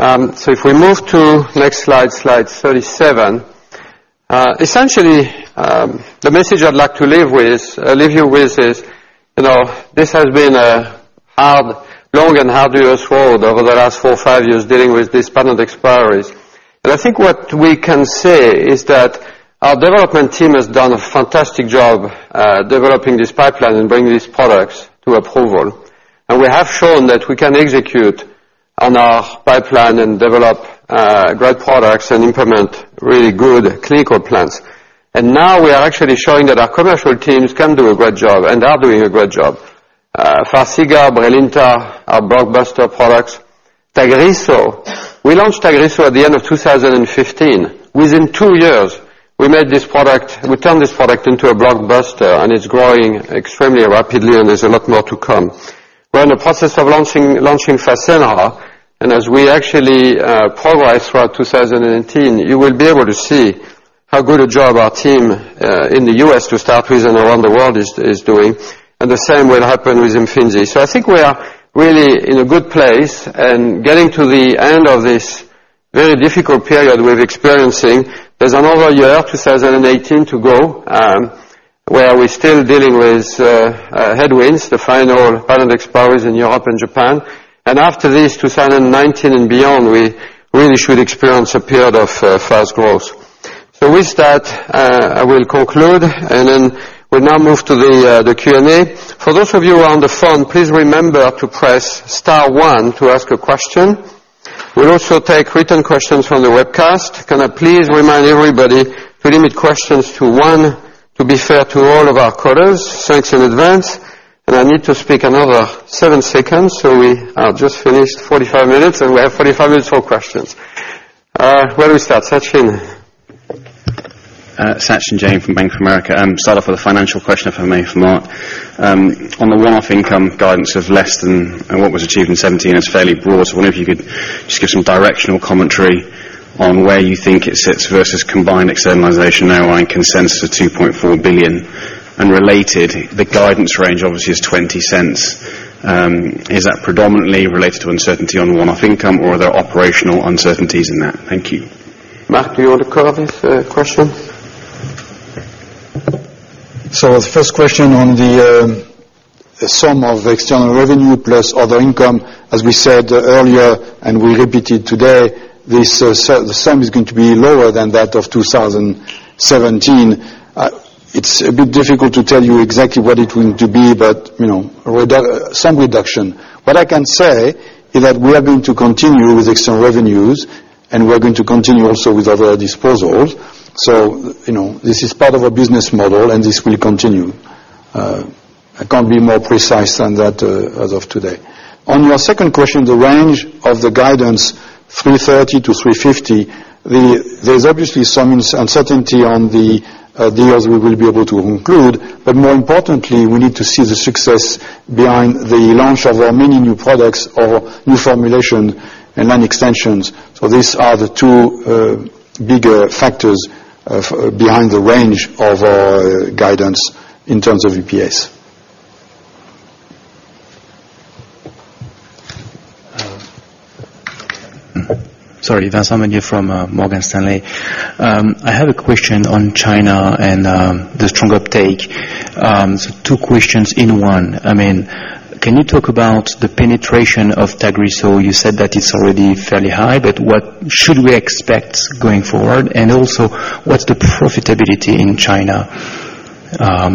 If we move to next slide 37. Essentially, the message I'd like to leave you with is, this has been a long and arduous road over the last four, five years dealing with these patent expiries. I think what we can say is that our development team has done a fantastic job developing this pipeline and bringing these products to approval. We have shown that we can execute on our pipeline and develop great products and implement really good clinical plans. Now we are actually showing that our commercial teams can do a great job, and are doing a great job. FARXIGA, BRILINTA, our blockbuster products. TAGRISSO. We launched TAGRISSO at the end of 2015. Within two years, we turned this product into a blockbuster, it's growing extremely rapidly, and there's a lot more to come. We're in the process of launching FASENRA, as we actually progress throughout 2018, you will be able to see how good a job our team, in the U.S. to start with and around the world, is doing, and the same will happen with IMFINZI. I think we are really in a good place and getting to the end of this very difficult period we're experiencing. There's another year, 2018, to go, where we're still dealing with headwinds, the final patent expiries in Europe and Japan. After this, 2019 and beyond, we really should experience a period of fast growth. With that, I will conclude, then we'll now move to the Q&A. For those of you who are on the phone, please remember to press star one to ask a question. We'll also take written questions from the webcast. Can I please remind everybody to limit questions to one, to be fair to all of our callers. Thanks in advance. I need to speak another seven seconds, we have just finished 45 minutes, we have 45 minutes for questions. Where do we start? Sachin? Sachin Jain from Bank of America. Start off with a financial question, if I may, for Marc. On the one-off income guidance of less than what was achieved in 2017, it's fairly broad. I wonder if you could just give some directional commentary on where you think it sits versus combined externalization now and consensus of $2.4 billion. Related, the guidance range obviously is $0.20. Is that predominantly related to uncertainty on the one-off income, or are there operational uncertainties in that? Thank you. Marc, do you want to cover this question? The first question on the sum of external revenue plus other income, as we said earlier, and we repeated today, the sum is going to be lower than that of 2017. It's a bit difficult to tell you exactly what it's going to be, but some reduction. What I can say is that we are going to continue with external revenues, and we are going to continue also with other disposals. This is part of our business model, and this will continue. I can't be more precise than that as of today. On your second question, the range of the guidance $3.30-$3.50, there's obviously some uncertainty on the deals we will be able to conclude. More importantly, we need to see the success behind the launch of our many new products or new formulation and line extensions. These are the two bigger factors behind the range of our guidance in terms of EPS. Sorry. Vincent Mauger from Morgan Stanley. I have a question on China and the strong uptake. Two questions in one. Can you talk about the penetration of TAGRISSO? You said that it's already fairly high, but what should we expect going forward? Also, what's the profitability in China?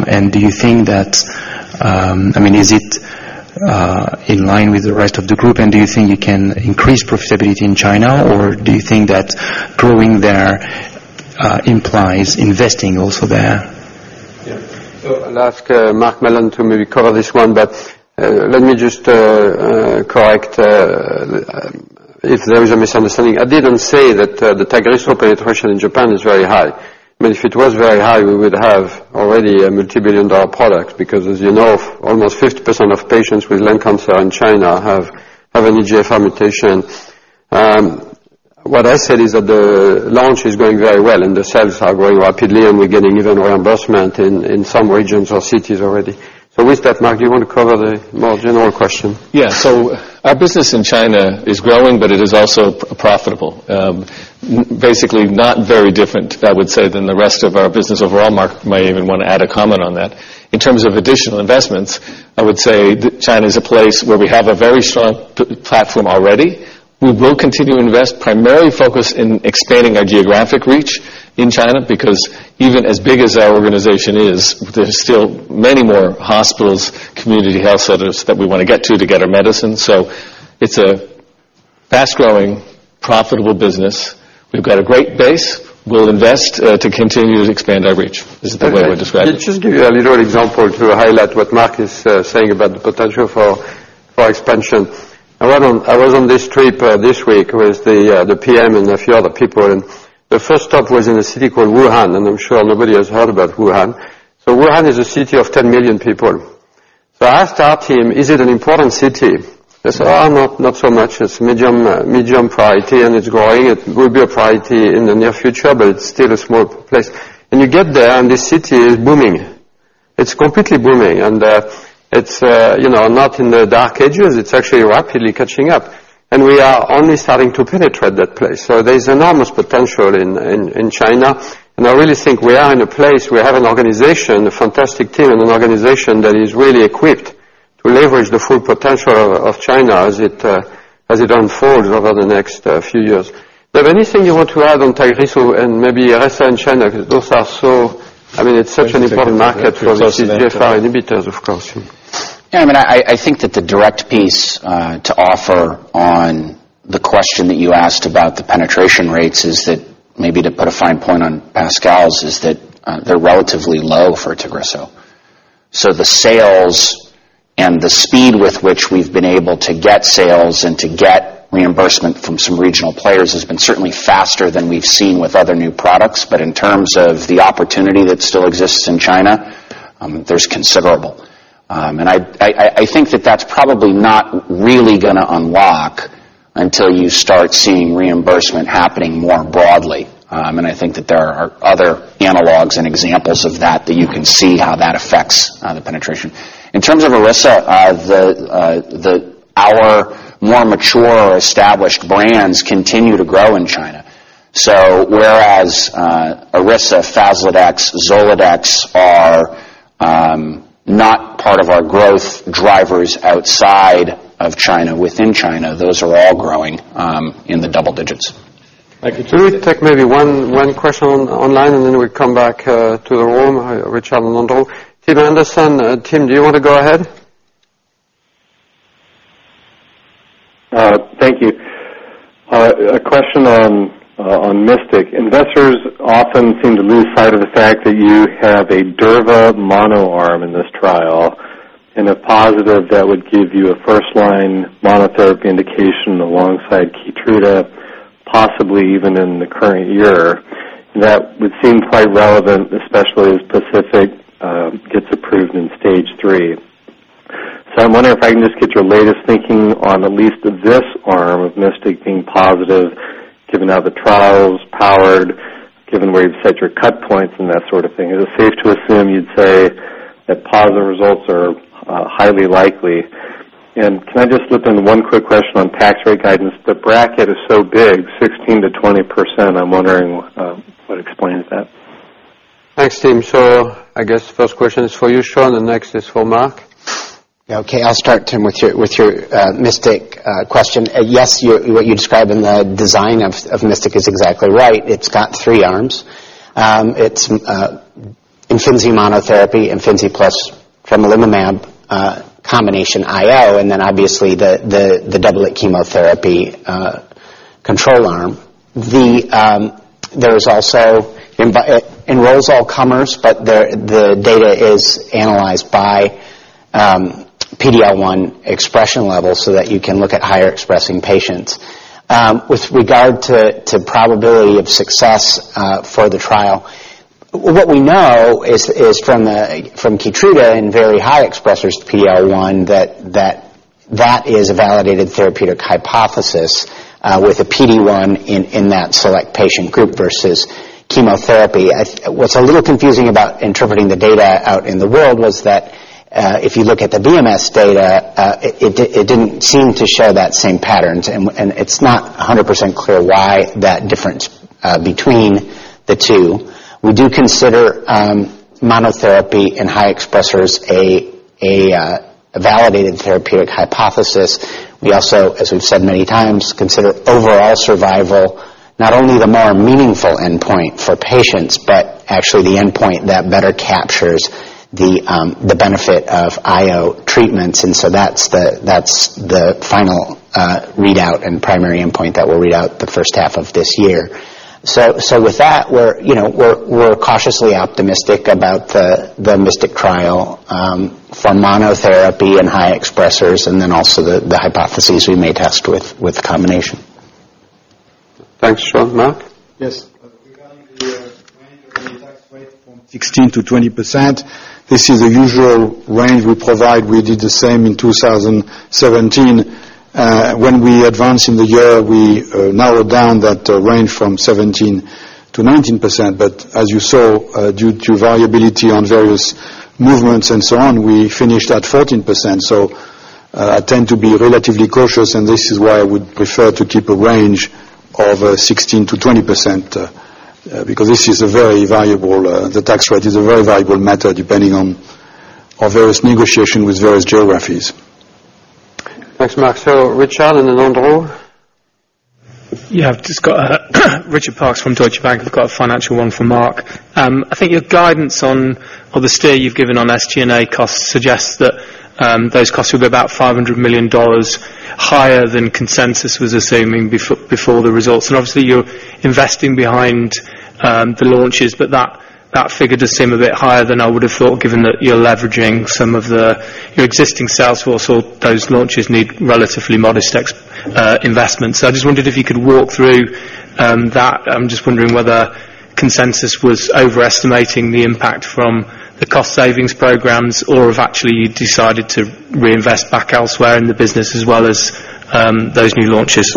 Is it in line with the rest of the group, and do you think you can increase profitability in China, or do you think that growing there implies investing also there? Yeah. I'll ask Mark Mallon to maybe cover this one, but let me just correct if there is a misunderstanding. I didn't say that the TAGRISSO penetration in China is very high. If it was very high, we would have already a multibillion-dollar product because as you know, almost 50% of patients with lung cancer in China have an EGFR mutation. What I said is that the launch is going very well, and the sales are growing rapidly, and we're getting even reimbursement in some regions or cities already. With that, Mark, do you want to cover the more general question? Yeah. Our business in China is growing, but it is also profitable. Not very different, I would say, than the rest of our business overall. Marc might even want to add a comment on that. In terms of additional investments, I would say that China is a place where we have a very strong platform already. We will continue to invest, primarily focused in expanding our geographic reach in China, because even as big as our organization is, there's still many more hospitals, community health centers that we want to get to to get our medicine. It's a Fast-growing, profitable business. We've got a great base. We'll invest to continue to expand our reach. This is the way we've described it. Let's just give you a little example to highlight what Marc is saying about the potential for expansion. I was on this trip this week with the PM and a few other people. The first stop was in a city called Wuhan. I'm sure nobody has heard about Wuhan. Wuhan is a city of 10 million people. I asked our team, "Is it an important city?" They say, "Oh, not so much. It's medium priority, and it's growing. It will be a priority in the near future, but it's still a small place." You get there, and this city is booming. It's completely booming. It's not in the dark ages. It's actually rapidly catching up. We are only starting to penetrate that place. There's enormous potential in China, and I really think we are in a place. We have an organization, a fantastic team, and an organization that is really equipped to leverage the full potential of China as it unfolds over the next few years. Do you have anything you want to add on TAGRISSO and maybe ARIMIDEX in China? Those are such an important market for us. Inhibitors, of course. Yeah. I think that the direct piece to offer on the question that you asked about the penetration rates is that maybe to put a fine point on Pascal's, is that they're relatively low for TAGRISSO. The sales and the speed with which we've been able to get sales and to get reimbursement from some regional players has been certainly faster than we've seen with other new products. In terms of the opportunity that still exists in China, there's considerable. I think that that's probably not really going to unlock until you start seeing reimbursement happening more broadly. I think that there are other analogs and examples of that you can see how that affects the penetration. In terms of ARIMIDEX our more mature or established brands continue to grow in China. Whereas ARIMIDEX, FASLODEX, ZOLADEX are not part of our growth drivers outside of China. Within China, those are all growing in the double digits. Thank you. Can we take maybe one question online, then we come back to the room, Richard and Andrew. Tim Anderson. Tim, do you want to go ahead? Thank you. A question on MYSTIC. Investors often seem to lose sight of the fact that you have a durva mono arm in this trial and a positive that would give you a first-line monotherapy indication alongside KEYTRUDA, possibly even in the current year. That would seem quite relevant, especially as PACIFIC gets approved in stage 3. I'm wondering if I can just get your latest thinking on at least this arm of MYSTIC being positive, given how the trial is powered, given where you've set your cut points and that sort of thing. Is it safe to assume you'd say that positive results are highly likely? Can I just slip in one quick question on tax rate guidance? The bracket is so big, 16%-20%. I'm wondering what explains that. Thanks, Tim. I guess the first question is for you, Sean. The next is for Marc. Okay, I'll start, Tim, with your MYSTIC question. Yes, what you describe in the design of MYSTIC is exactly right. It's got three arms. It's IMFINZI monotherapy, IMFINZI plus tremelimumab combination IO, then obviously the double chemotherapy control arm. There's also enrolls all comers, but the data is analyzed by PD-L1 expression level so that you can look at higher expressing patients. With regard to probability of success for the trial, what we know is from KEYTRUDA in very high expressors PD-L1, that is a validated therapeutic hypothesis with a PD-1 in that select patient group versus chemotherapy. What's a little confusing about interpreting the data out in the world was that if you look at the BMS data, it didn't seem to show that same patterns, it's not 100% clear why that difference between the two. We do consider monotherapy in high expressors a validated therapeutic hypothesis. We also, as we've said many times, consider overall survival not only the more meaningful endpoint for patients, but actually the endpoint that better captures the benefit of IO treatments. That's the final readout and primary endpoint that we'll read out the first half of this year. With that we're cautiously optimistic about the MYSTIC trial for monotherapy and high expressors, and then also the hypotheses we may test with combination. Thanks, Sean. Marc? Yes. Regarding the range of the tax rate from 16%-20%, this is a usual range we provide. We did the same in 2017. When we advanced in the year, we narrowed down that range from 17%-19%. As you saw, due to variability on various movements and so on, we finished at 14%. I tend to be relatively cautious, and this is why I would prefer to keep a range of 16%-20%, because the tax rate is a very valuable matter depending on our various negotiation with various geographies. Thanks, Marc. Richard and then Andrew. Yeah. Richard Parkes from Deutsche Bank. I've got a financial one for Mark. I think your guidance on the steer you've given on SG&A costs suggests that those costs will be about $500 million higher than consensus was assuming before the results. Obviously, you're investing behind the launches, that figure does seem a bit higher than I would have thought, given that you're leveraging some of your existing sales force or those launches need relatively modest investment. I just wondered if you could walk through that. I'm just wondering whether consensus was overestimating the impact from the cost savings programs, or if actually you decided to reinvest back elsewhere in the business as well as those new launches.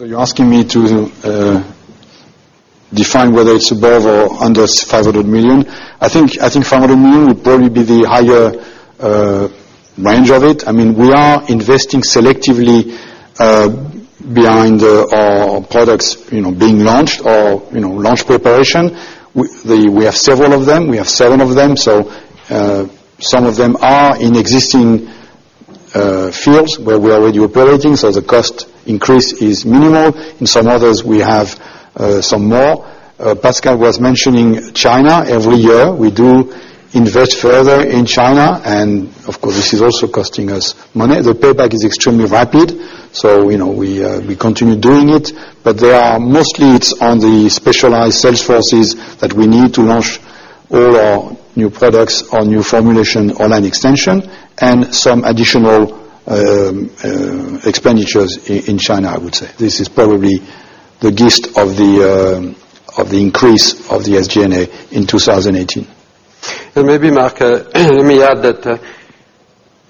You're asking me to define whether it's above or under $500 million. I think $500 million would probably be the higher range of it. We are investing selectively behind our products being launched or launch preparation. We have several of them. We have seven of them. Some of them are in existing fields where we are already operating, so the cost increase is minimal. In some others, we have some more. Pascal was mentioning China. Every year, we do invest further in China, of course, this is also costing us money. The payback is extremely rapid, we continue doing it. Mostly it's on the specialized sales forces that we need to launch all our new products or new formulation or line extension and some additional expenditures in China, I would say. This is probably the gist of the increase of the SG&A in 2018. Maybe Mark, let me add that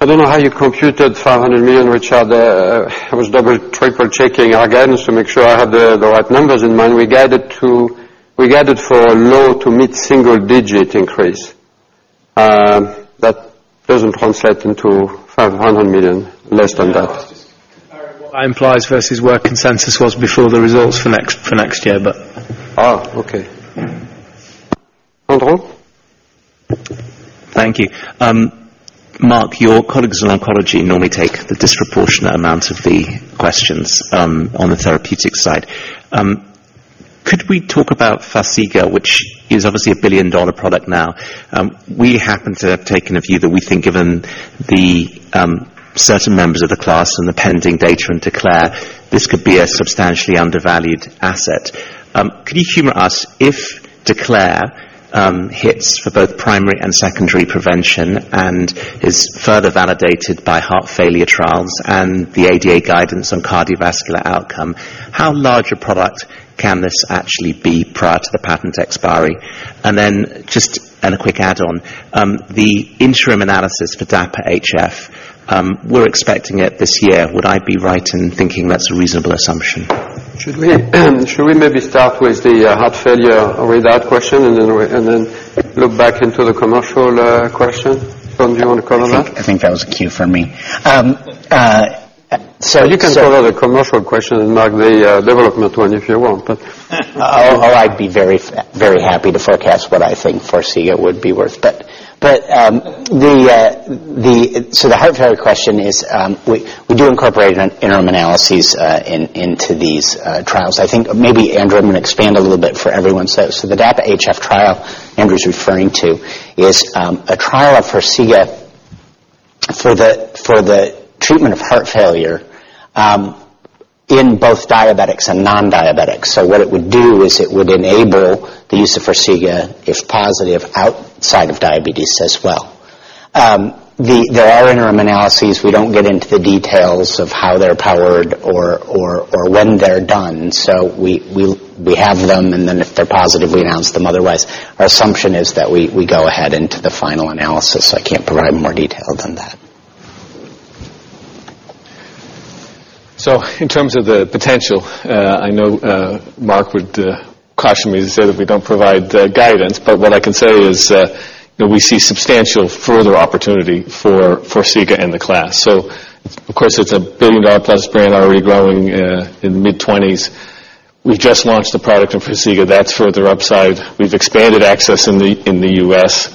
I don't know how you computed $500 million, Richard. I was double, triple-checking our guidance to make sure I had the right numbers in mind. We guided for a low- to mid-single-digit increase. That doesn't translate into $500 million. Less than that. I was just comparing what that implies versus where consensus was before the results for next year. Oh, okay. Andrew? Thank you. Mark, your colleagues in oncology normally take the disproportionate amount of the questions on the therapeutics side. Could we talk about FARXIGA, which is obviously a billion-dollar product now? We happen to have taken a view that we think given the certain members of the class and the pending data in DECLARE, this could be a substantially undervalued asset. Could you humor us if DECLARE hits for both primary and secondary prevention and is further validated by heart failure trials and the ADA guidance on cardiovascular outcome, how large a product can this actually be prior to the patent expiry? Then just a quick add-on. The interim analysis for DAPA-HF we're expecting it this year. Would I be right in thinking that's a reasonable assumption? Should we maybe start with the heart failure readout question and then look back into the commercial question? Sean, do you want to cover that? I think that was a cue for me. You can follow the commercial question and Mark the development one if you want. I'd be very happy to forecast what I think FARXIGA would be worth. The heart failure question is we do incorporate interim analyses into these trials. I think maybe Andrew, I'm going to expand a little bit for everyone. The DAPA-HF trial Andrew's referring to is a trial of FARXIGA for the treatment of heart failure in both diabetics and non-diabetics. What it would do is it would enable the use of FARXIGA, if positive, outside of diabetes as well. There are interim analyses. We don't get into the details of how they're powered or when they're done. We have them, and then if they're positive, we announce them. Otherwise, our assumption is that we go ahead into the final analysis. I can't provide more detail than that. In terms of the potential, I know Mark would caution me to say that we don't provide guidance, but what I can say is that we see substantial further opportunity for FARXIGA in the class. Of course, it's a $1 billion-plus brand already growing in the mid-20s%. We've just launched the product of FARXIGA. That's further upside. We've expanded access in the U.S.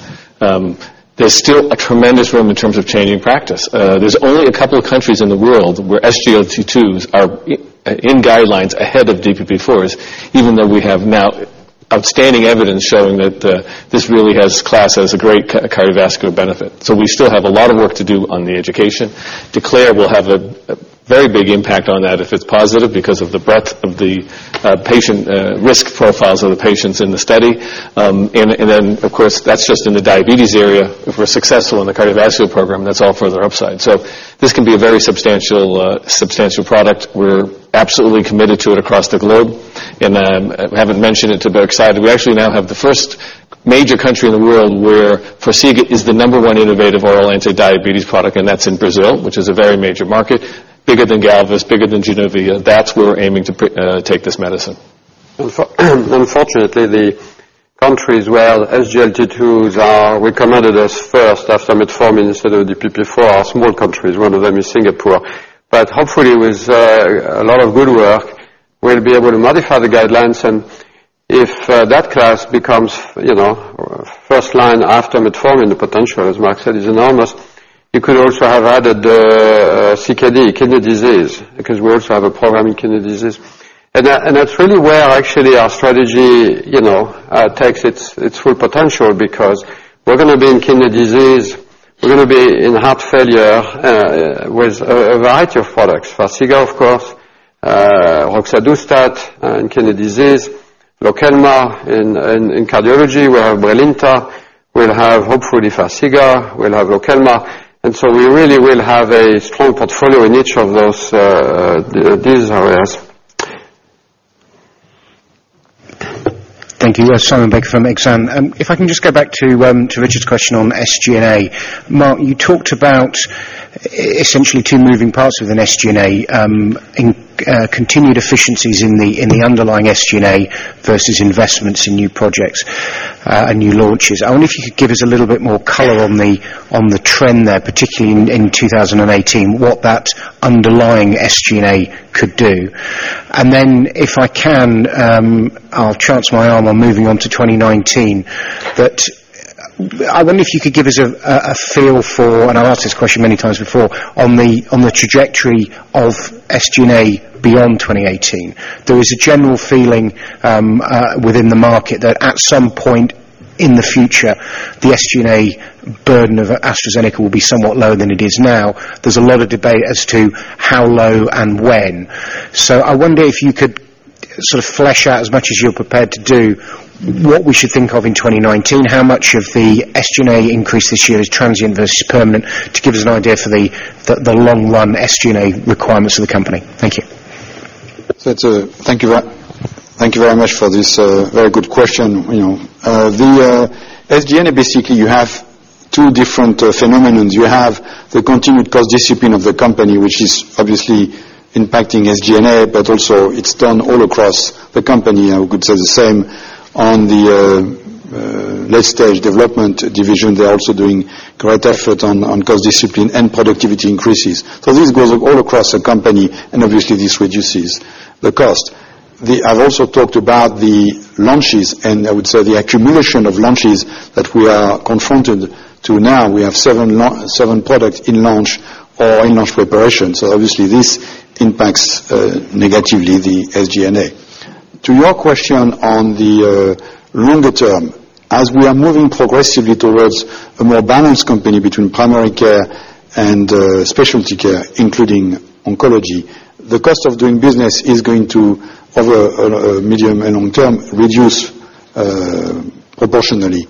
There's still a tremendous room in terms of changing practice. There's only a couple of countries in the world where SGLT2s are in guidelines ahead of DPP-4s, even though we have now outstanding evidence showing that this really has class as a great cardiovascular benefit. We still have a lot of work to do on the education. DECLARE will have a very big impact on that if it's positive because of the breadth of the risk profiles of the patients in the study. Of course, that's just in the diabetes area. If we're successful in the cardiovascular program, that's all further upside. This can be a very substantial product. We're absolutely committed to it across the globe. I haven't mentioned it to BRICS side. We actually now have the number 1 major country in the world where FARXIGA is the number 1 innovative oral anti-diabetes product, and that's in Brazil, which is a very major market, bigger than Galvus, bigger than Januvia. That's where we're aiming to take this medicine. Unfortunately, the countries where SGLT2s are recommended as first after metformin instead of DPP-4 are small countries. One of them is Singapore. Hopefully, with a lot of good work, we'll be able to modify the guidelines, and if that class becomes first line after metformin, the potential, as Mark said, is enormous. You could also have added the CKD, kidney disease, because we also have a program in kidney disease. That's really where actually our strategy takes its full potential because we're going to be in kidney disease, we're going to be in heart failure, with a variety of products. FARXIGA, of course, roxadustat in kidney disease, PRALUENT in cardiology. We have BRILINTA. We'll have, hopefully, FARXIGA. We'll have PRALUENT. We really will have a strong portfolio in each of these areas. Thank you. Simon Baker from Exane. If I can just go back to Richard's question on SG&A. Mark, you talked about essentially two moving parts within SG&A, continued efficiencies in the underlying SG&A versus investments in new projects and new launches. I wonder if you could give us a little bit more color on the trend there, particularly in 2018, what that underlying SG&A could do. Then if I can, I'll chance my arm on moving on to 2019, I wonder if you could give us a feel for, I've asked this question many times before, on the trajectory of SG&A beyond 2018. There's a general feeling within the market that at some point in the future, the SG&A burden of AstraZeneca will be somewhat lower than it is now. There's a lot of debate as to how low and when. I wonder if you could sort of flesh out as much as you're prepared to do, what we should think of in 2019, how much of the SG&A increase this year is transient versus permanent to give us an idea for the long run SG&A requirements for the company. Thank you. Thank you very much for this very good question. The SG&A, basically, you have two different phenomenons. You have the continued cost discipline of the company, which is obviously impacting SG&A. Also it's done all across the company. I could say the same on the late-stage development division. They're also doing great effort on cost discipline and productivity increases. This goes all across the company, obviously, this reduces the cost. I've also talked about the launches, I would say the accumulation of launches that we are confronted to now. We have seven products in launch or in launch preparation. Obviously, this impacts negatively the SG&A. To your question on the longer term, as we are moving progressively towards a more balanced company between primary care and specialty care, including oncology, the cost of doing business is going to, over a medium and long term, reduce proportionally.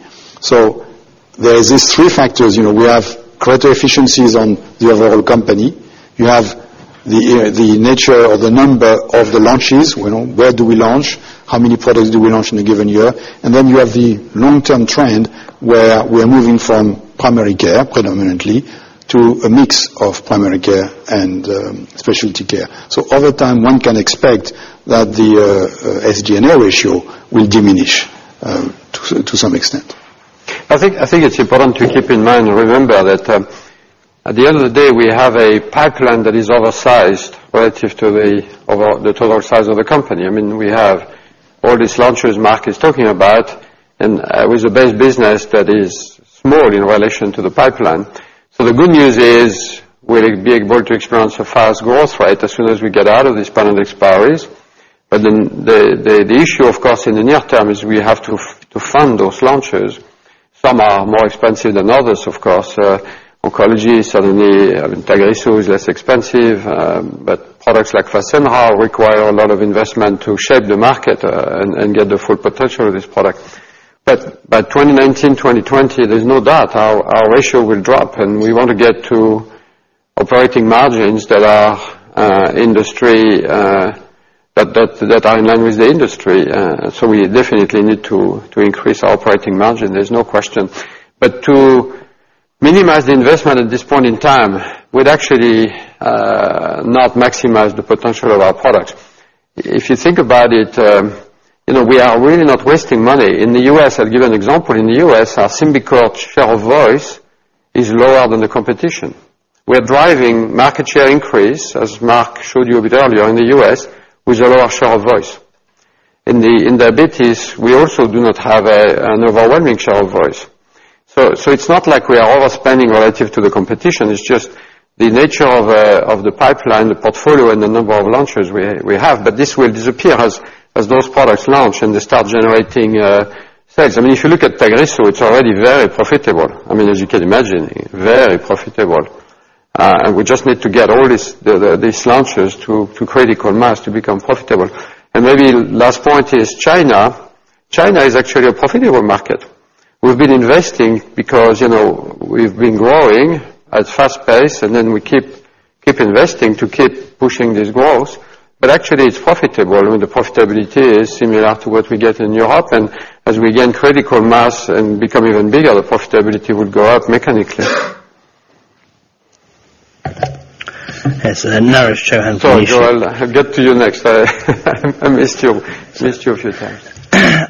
There is these three factors. We have greater efficiencies on the overall company. You have the nature or the number of the launches. Where do we launch? How many products do we launch in a given year? You have the long-term trend, where we're moving from primary care predominantly to a mix of primary care and specialty care. Over time, one can expect that the SG&A ratio will diminish to some extent. I think it's important to keep in mind and remember that at the end of the day, we have a pipeline that is oversized relative to the total size of the company. We have all these launches Mark is talking about, with a base business that is small in relation to the pipeline. The good news is we're being able to experience a fast growth rate as soon as we get out of these patent expiries. The issue, of course, in the near term is we have to fund those launches. Some are more expensive than others, of course. Oncology, suddenly TAGRISSO is less expensive, but products like FASENRA require a lot of investment to shape the market and get the full potential of this product. By 2019, 2020, there's no doubt our ratio will drop, and we want to get to operating margins that are in line with the industry. We definitely need to increase our operating margin. There's no question. To minimize the investment at this point in time would actually not maximize the potential of our products. If you think about it, we are really not wasting money. In the U.S., I'll give you an example. In the U.S., our SYMBICORT share of voice is lower than the competition. We're driving market share increase, as Mark showed you a bit earlier, in the U.S. with a lower share of voice. In diabetes, we also do not have an overwhelming share of voice. It's not like we are overspending relative to the competition, it's just the nature of the pipeline, the portfolio, and the number of launches we have. This will disappear as those products launch and they start generating sales. If you look at TAGRISSO, it's already very profitable. As you can imagine, very profitable. We just need to get all these launches to critical mass to become profitable. Maybe last point is China. China is actually a profitable market. We've been investing because we've been growing at fast pace, we keep investing to keep pushing this growth. Actually, it's profitable. The profitability is similar to what we get in Europe. As we gain critical mass and become even bigger, the profitability will go up mechanically. Yes. Naresh, go ahead. Sorry, Jo. I'll get to you next. I missed you a few times.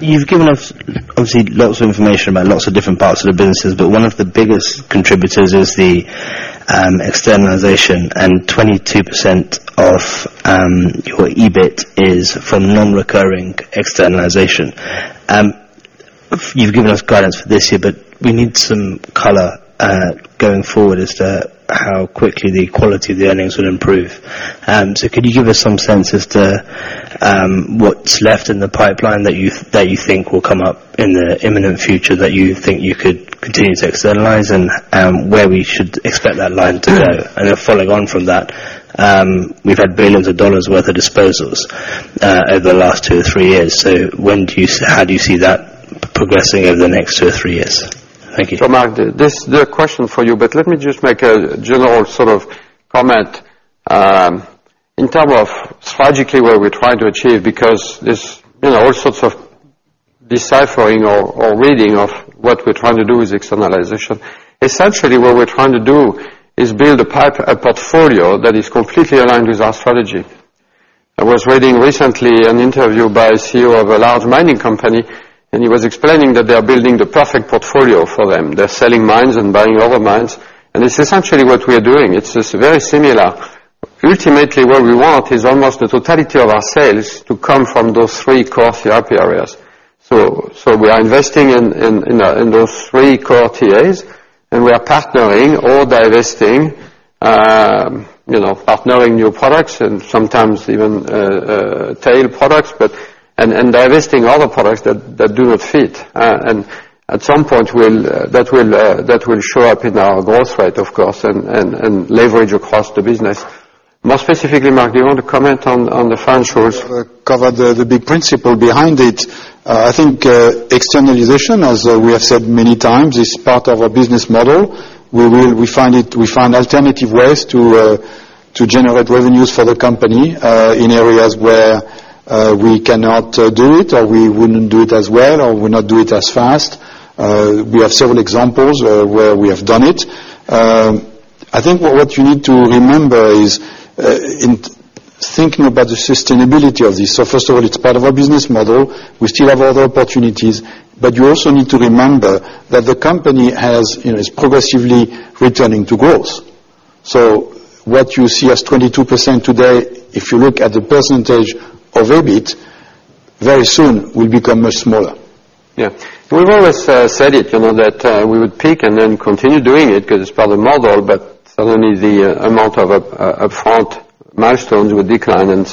You've given us obviously lots of information about lots of different parts of the businesses. One of the biggest contributors is externalization and 22% of your EBIT is from non-recurring externalization. You've given us guidance for this year. We need some color going forward as to how quickly the quality of the earnings will improve. Could you give us some sense as to what's left in the pipeline that you think will come up in the imminent future, that you think you could continue to externalize, and where we should expect that line to go? Following on from that, we've had $ billions worth of disposals over the last two or three years. How do you see that progressing over the next two or three years? Thank you. Mark, there's a question for you. Let me just make a general comment, in term of strategically where we're trying to achieve, because there's all sorts of deciphering or reading of what we're trying to do with externalization. Essentially, what we're trying to do is build a portfolio that is completely aligned with our strategy. I was reading recently an interview by a CEO of a large mining company. He was explaining that they are building the perfect portfolio for them. They're selling mines and buying other mines. It's essentially what we're doing. It's just very similar. Ultimately, what we want is almost the totality of our sales to come from those three core therapy areas. We are investing in those three core TAs, and we are partnering or divesting, partnering new products and sometimes even tail products, and divesting other products that do not fit. At some point, that will show up in our growth rate, of course, and leverage across the business. More specifically, Mark, do you want to comment on the financials? I think you have covered the big principle behind it. I think externalization, as we have said many times, is part of our business model. We find alternative ways to generate revenues for the company, in areas where we cannot do it or we wouldn't do it as well or would not do it as fast. We have several examples where we have done it. I think what you need to remember is, in thinking about the sustainability of this, first of all, it's part of our business model. We still have other opportunities, but you also need to remember that the company is progressively returning to growth. What you see as 22% today, if you look at the percentage of EBIT, very soon will become much smaller. We've always said it, that we would peak and then continue doing it because it's part of the model, but suddenly the amount of upfront milestones would decline.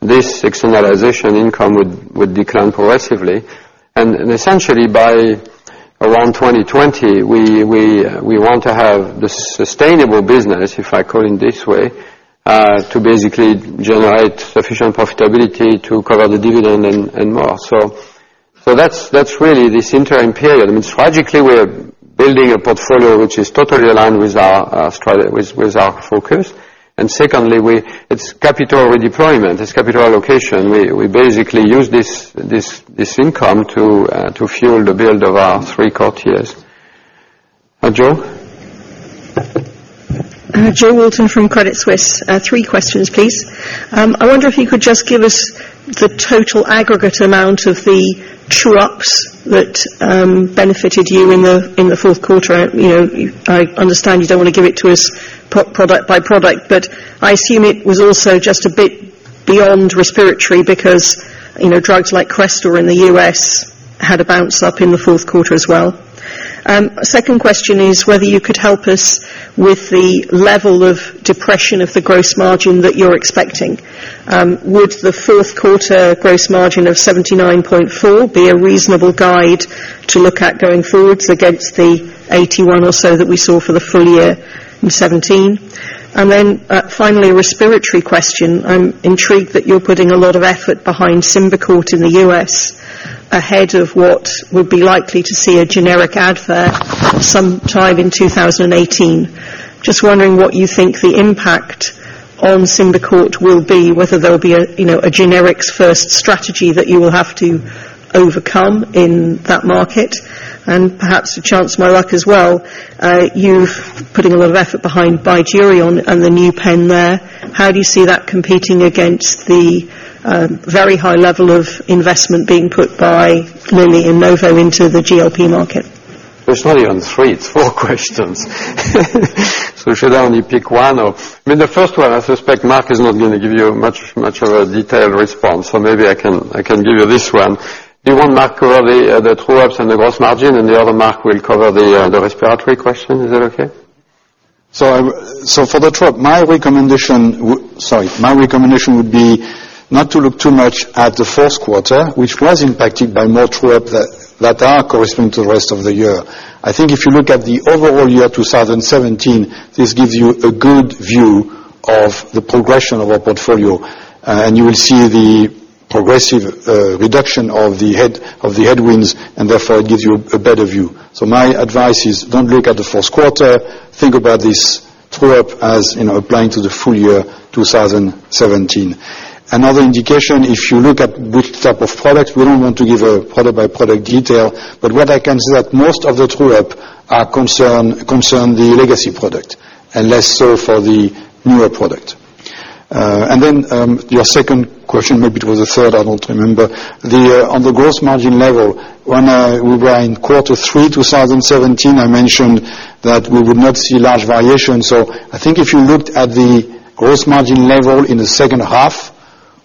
This externalization income would decline progressively. Essentially by around 2020, we want to have the sustainable business, if I call it in this way, to basically generate sufficient profitability to cover the dividend and more. That's really this interim period. Strategically, we are building a portfolio which is totally aligned with our focus, and secondly, it's capital redeployment. It's capital allocation. We basically use this income to fuel the build of our three core TAs. Jo? Jo Walton from Credit Suisse. Three questions, please. I wonder if you could just give us the total aggregate amount of the true-ups that benefited you in the fourth quarter. I understand you don't want to give it to us product by product, but I assume it was also just a bit beyond respiratory because drugs like CRESTOR in the U.S. had a bounce up in the fourth quarter as well. Second question is whether you could help us with the level of depression of the gross margin that you're expecting. Would the fourth quarter gross margin of 79.4 be a reasonable guide to look at going forwards against the 81 or so that we saw for the full year in 2017? Then finally, a respiratory question. I'm intrigued that you're putting a lot of effort behind SYMBICORT in the U.S. ahead of what would be likely to see a generic ADVAIR sometime in 2018. Just wondering what you think the impact on SYMBICORT will be, whether there'll be a generics first strategy that you will have to overcome in that market? Perhaps to chance my luck as well, you've putting a lot of effort behind BYDUREON and the new pen there. How do you see that competing against the very high level of investment being put by Lilly and Novo into the GLP market? It's not even three. It's four questions. Should I only pick one, or? The first one, I suspect Mark is not going to give you much of a detailed response, so maybe I can give you this one. Do you want, Mark, to cover the true-ups and the gross margin, and the other Mark will cover the respiratory question? Is that okay? For the true-up, my recommendation would be not to look too much at the first quarter, which was impacted by more true-up that are corresponding to the rest of the year. I think if you look at the overall year 2017, this gives you a good view of the progression of our portfolio. You will see the progressive reduction of the headwinds, and therefore it gives you a better view. My advice is, don't look at the fourth quarter. Think about this true-up as applying to the full year 2017. Another indication, if you look at which type of product, we don't want to give a product by product detail, but what I can say, that most of the true-up concern the legacy product, and less so for the newer product. Your second question, maybe it was the third, I don't remember. On the gross margin level, when we were in quarter three 2017, I mentioned that we would not see large variation. I think if you looked at the gross margin level in the second half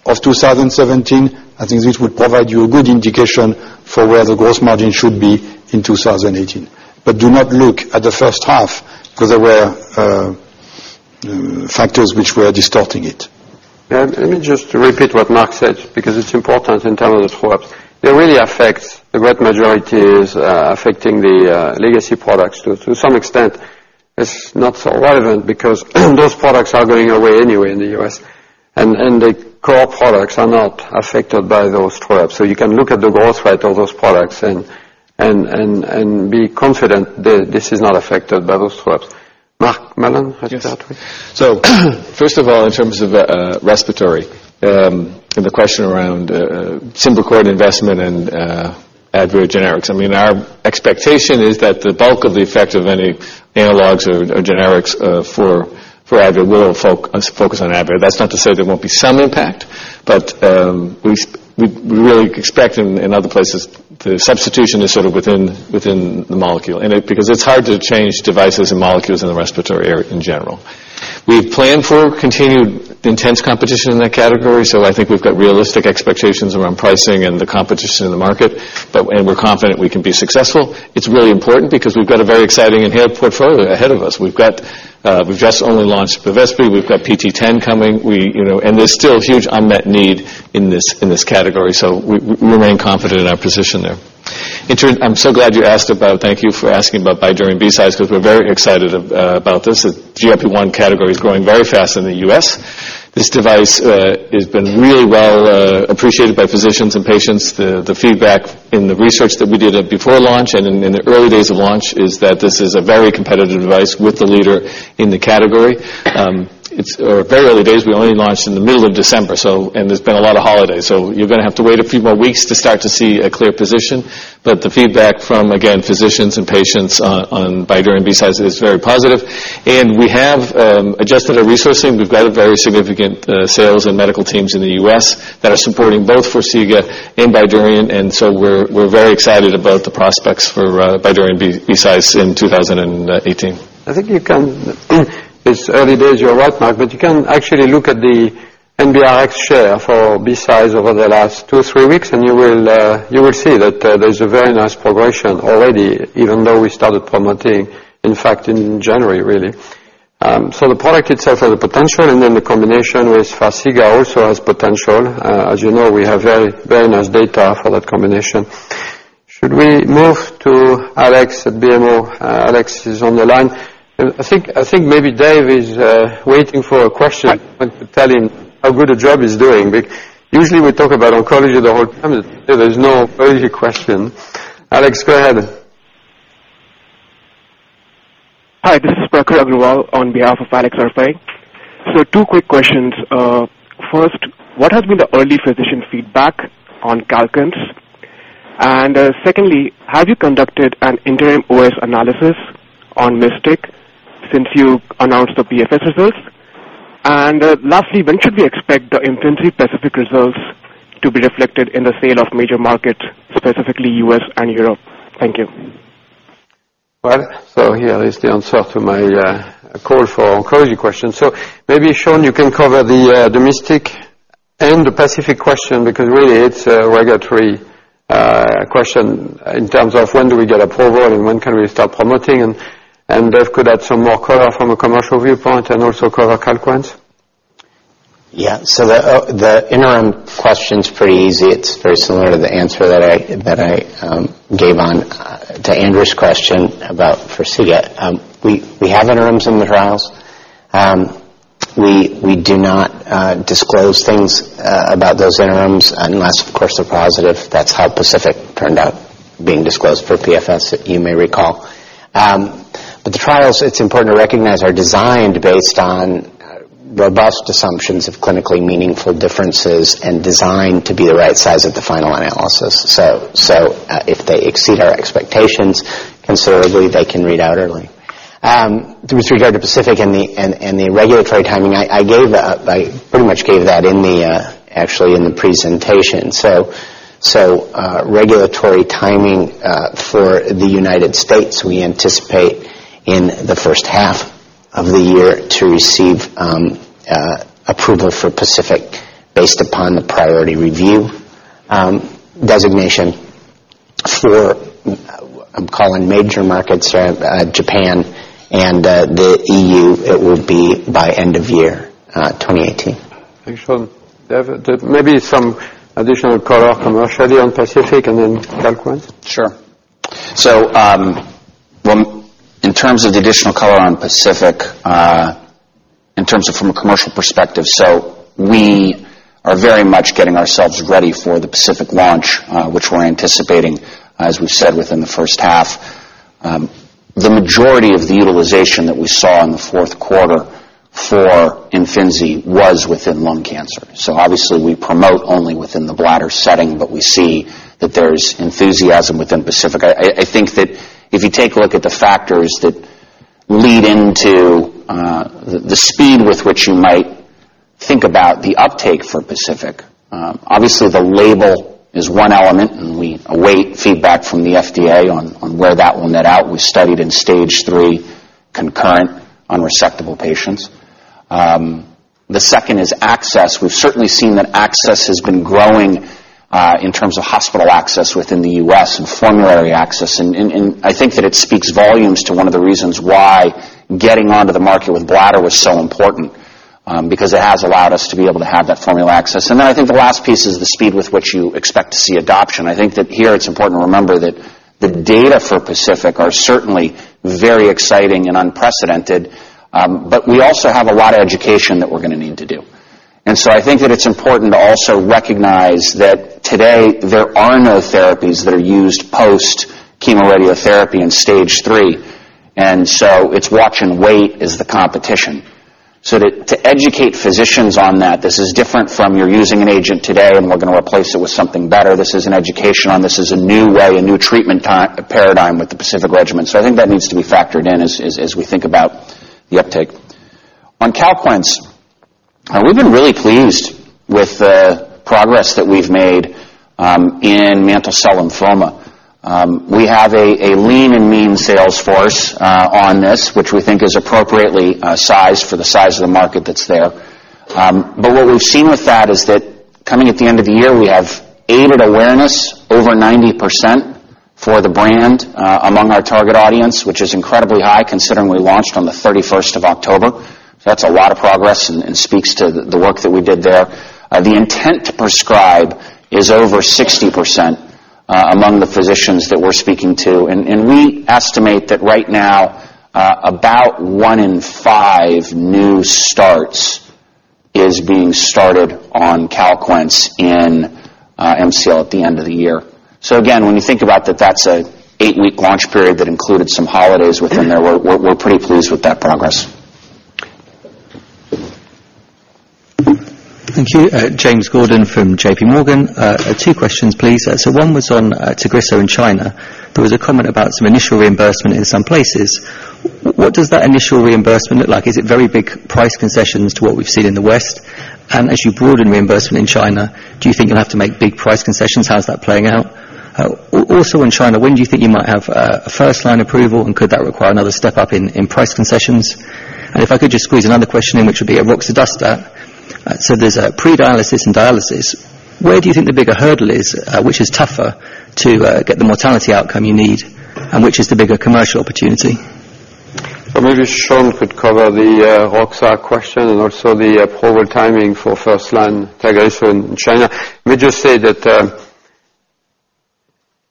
of 2017, I think this would provide you a good indication for where the gross margin should be in 2018. Do not look at the first half, because there were factors which were distorting it. Let me just repeat what Marc said, because it's important in terms of swaps. It really affects, the great majority is affecting the legacy products to some extent. It's not so relevant because those products are going away anyway in the U.S., and the core products are not affected by those swaps. You can look at the gross rate of those products and be confident that this is not affected by those swaps. Mark Mallon has the other one. Yes. First of all, in terms of respiratory, and the question around SYMBICORT investment and ADVAIR generics. Our expectation is that the bulk of the effect of any analogs or generics, for ADVAIR, we will focus on ADVAIR. That's not to say there won't be some impact, but we really expect in other places, the substitution is sort of within the molecule, because it's hard to change devices and molecules in the respiratory area in general. We plan for continued intense competition in that category, I think we've got realistic expectations around pricing and the competition in the market, and we're confident we can be successful. It's really important because we've got a very exciting inhaled portfolio ahead of us. We've just only launched BEVESPI, we've got PT010 coming, and there's still huge unmet need in this category. We remain confident in our position there. In turn, I'm so glad you asked about, thank you for asking about BYDUREON BCISE because we're very excited about this. The GLP-1 category is growing very fast in the U.S. This device has been really well appreciated by physicians and patients. The feedback in the research that we did before launch and in the early days of launch is that this is a very competitive device with the leader in the category. It's very early days. We only launched in the middle of December, and there's been a lot of holidays. You're going to have to wait a few more weeks to start to see a clear position. The feedback from, again, physicians and patients on BYDUREON BCISE is very positive. We have adjusted our resourcing. We've got very significant sales and medical teams in the U.S. that are supporting both FARXIGA and Bydureon, we're very excited about the prospects for BYDUREON BCISE in 2018. I think you can. It's early days, you're right, Marc, but you can actually look at the NBRx share for BCise over the last two or three weeks, and you will see that there's a very nice progression already, even though we started promoting, in fact, in January, really. The product itself has a potential, and then the combination with FARXIGA also has potential. As you know, we have very nice data for that combination. Should we move to Alex at BMO? Alex is on the line. I think maybe Dave is waiting for a question to tell him how good a job he's doing. Usually, we talk about oncology the whole time, and there's no easy question. Alex, go ahead. Hi, this is Prakhar Agrawal on behalf of Alex Arfae. Two quick questions. First, what has been the early physician feedback on CALQUENCE? Secondly, have you conducted an interim OS analysis on MYSTIC since you announced the PFS results? Lastly, when should we expect the IMFINZI PACIFIC results to be reflected in the sale of major markets, specifically U.S. and Europe? Thank you. Here is the answer to my call for oncology questions. Maybe, Sean, you can cover the MYSTIC and the PACIFIC question, because really, it's a regulatory question in terms of when do we get approval and when can we start promoting, and Dave could add some more color from a commercial viewpoint and also cover CALQUENCE. The interim question's pretty easy. It's very similar to the answer that I gave to Andrew's question about FARXIGA. We have interims in the trials. We do not disclose things about those interims unless, of course, they're positive. That's how PACIFIC turned out being disclosed for PFS, you may recall. The trials, it's important to recognize, are designed based on robust assumptions of clinically meaningful differences and designed to be the right size of the final analysis. If they exceed our expectations considerably, they can read out early. With regard to PACIFIC and the regulatory timing, I pretty much gave that actually in the presentation. Regulatory timing for the U.S., we anticipate in the first half of the year to receive approval for PACIFIC based upon the priority review designation for, I'm calling major markets, Japan and the EU, it will be by end of year 2018. Thanks, Sean. Dave, maybe some additional color commercially on PACIFIC and then CALQUENCE. Sure. In terms of the additional color on PACIFIC, in terms of from a commercial perspective, so we are very much getting ourselves ready for the PACIFIC launch, which we're anticipating, as we've said, within the first half. The majority of the utilization that we saw in the fourth quarter for IMFINZI was within lung cancer. Obviously we promote only within the bladder setting, but we see that there's enthusiasm within PACIFIC. I think that if you take a look at the factors that lead into the speed with which you might Think about the uptake for PACIFIC. Obviously, the label is one element, and we await feedback from the FDA on where that will net out. We studied in stage 3 concurrent unresectable patients. The second is access. We've certainly seen that access has been growing in terms of hospital access within the U.S. and formulary access, and I think that it speaks volumes to one of the reasons why getting onto the market with bladder was so important because it has allowed us to be able to have that formulary access. I think the last piece is the speed with which you expect to see adoption. I think that here it's important to remember that the data for PACIFIC are certainly very exciting and unprecedented, but we also have a lot of education that we're going to need to do. I think that it's important to also recognize that today there are no therapies that are used post-chemoradiotherapy in stage 3, it's watch and wait is the competition. To educate physicians on that, this is different from you're using an agent today, and we're going to replace it with something better. This is an education on this is a new way, a new treatment paradigm with the PACIFIC regimen. I think that needs to be factored in as we think about the uptake. On CALQUENCE, we've been really pleased with the progress that we've made in mantle cell lymphoma. We have a lean and mean sales force on this, which we think is appropriately sized for the size of the market that's there. What we've seen with that is that coming at the end of the year, we have aided awareness over 90% for the brand among our target audience, which is incredibly high considering we launched on the 31st of October. That's a lot of progress and speaks to the work that we did there. The intent to prescribe is over 60% among the physicians that we're speaking to. We estimate that right now about one in five new starts is being started on CALQUENCE in MCL at the end of the year. Again, when you think about that that's an eight-week launch period that included some holidays within there, we're pretty pleased with that progress. Thank you. James Gordon from J.P. Morgan. Two questions, please. One was on TAGRISSO in China. There was a comment about some initial reimbursement in some places. What does that initial reimbursement look like? Is it very big price concessions to what we've seen in the West? As you broaden reimbursement in China, do you think you'll have to make big price concessions? How's that playing out? Also in China, when do you think you might have a first-line approval, and could that require another step up in price concessions? If I could just squeeze another question in, which would be on roxadustat. There's pre-dialysis and dialysis. Where do you think the bigger hurdle is? Which is tougher to get the mortality outcome you need, and which is the bigger commercial opportunity? Maybe Sean could cover the Roxa question and also the approval timing for first-line TAGRISSO in China. Let me just say that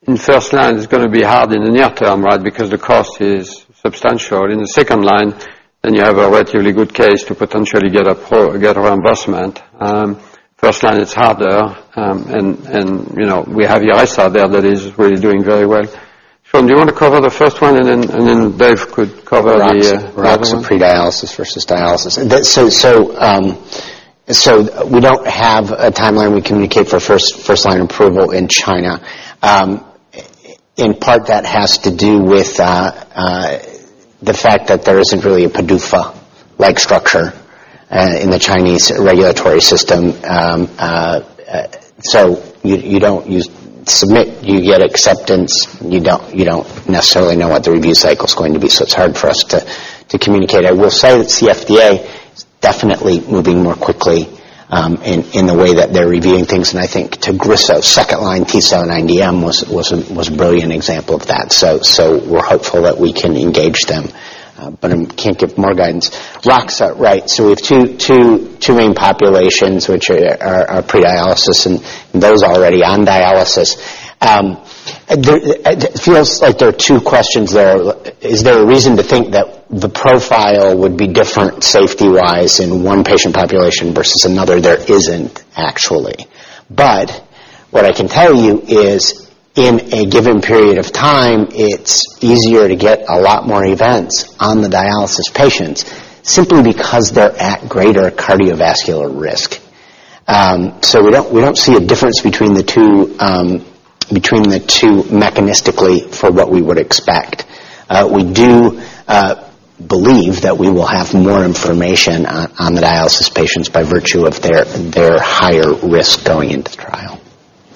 in first line, it's going to be hard in the near term, right? Because the cost is substantial. In the second line, you have a relatively good case to potentially get a reimbursement. First line, it's harder, and we have IRESSA there that is really doing very well. Sean, do you want to cover the first one, and then Dave could cover the other one? Roxa pre-dialysis versus dialysis. We don't have a timeline we communicate for first-line approval in China. In part, that has to do with the fact that there isn't really a PDUFA-like structure in the Chinese regulatory system. You submit, you get acceptance. You don't necessarily know what the review cycle is going to be, so it's hard for us to communicate. I will say that CFDA is definitely moving more quickly in the way that they're reviewing things, and I think TAGRISSO second line T790M was a brilliant example of that. We're hopeful that we can engage them, but I can't give more guidance. Roxa, right. We have two main populations, which are pre-dialysis and those already on dialysis. It feels like there are two questions there. Is there a reason to think that the profile would be different safety-wise in one patient population versus another? There isn't actually. What I can tell you is in a given period of time, it's easier to get a lot more events on the dialysis patients simply because they're at greater cardiovascular risk. We don't see a difference between the two mechanistically for what we would expect. We do believe that we will have more information on the dialysis patients by virtue of their higher risk going into the trial.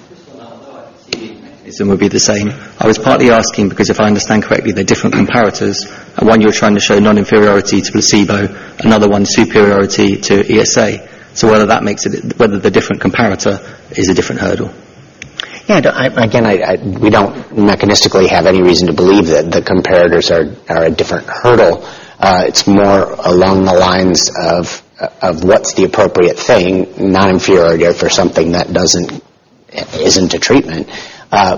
Just on that, although I could see the mechanism would be the same, I was partly asking because if I understand correctly, they're different comparators. One you're trying to show non-inferiority to placebo, another one superiority to ESA. Whether the different comparator is a different hurdle. Yeah. Again, we don't mechanistically have any reason to believe that the comparators are a different hurdle. It's more along the lines of what's the appropriate thing, non-inferiority for something that isn't a treatment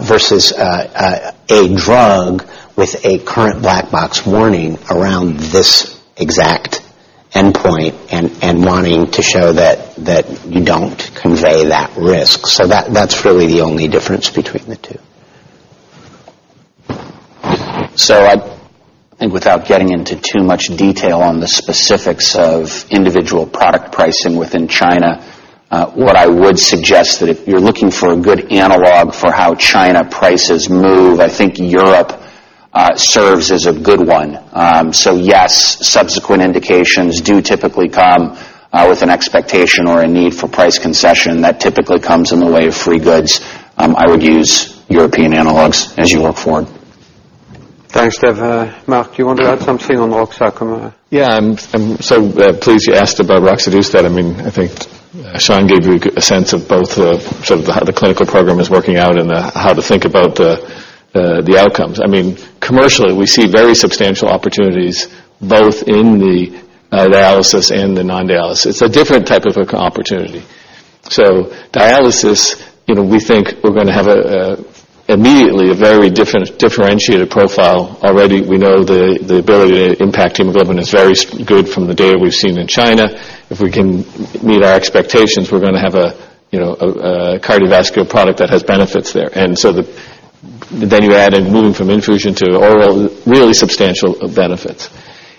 versus a drug with a current black box warning around this exact endpoint and wanting to show that you don't convey that risk. That's really the only difference between the two. I think without getting into too much detail on the specifics of individual product pricing within China, what I would suggest that if you're looking for a good analog for how China prices move, I think Europe serves as a good one. Yes, subsequent indications do typically come with an expectation or a need for price concession that typically comes in the way of free goods. I would use European analogs as you look forward. Thanks, Dave. Marc, do you want to add something on roxadustat? I'm so pleased you asked about roxadustat. I think Sean gave you a sense of both how the clinical program is working out and how to think about the outcomes. Commercially, we see very substantial opportunities both in the dialysis and the non-dialysis. A different type of opportunity. Dialysis, we think we're going to have, immediately, a very differentiated profile. Already, we know the ability to impact hemoglobin is very good from the data we've seen in China. If we can meet our expectations, we're going to have a cardiovascular product that has benefits there. Then you add in moving from infusion to oral, really substantial benefits.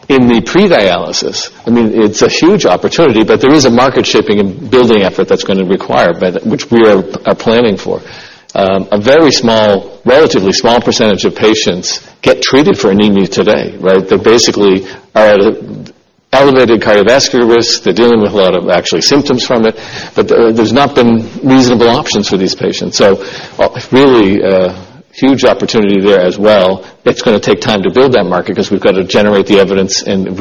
In the pre-dialysis, it's a huge opportunity, but there is a market building effort that's going to require, which we are planning for. A very relatively small percentage of patients get treated for anemia today. They basically are at elevated cardiovascular risk. They're dealing with a lot of actually symptoms from it, but there's not been reasonable options for these patients. Really a huge opportunity there as well. It's going to take time to build that market because we've got to generate the evidence and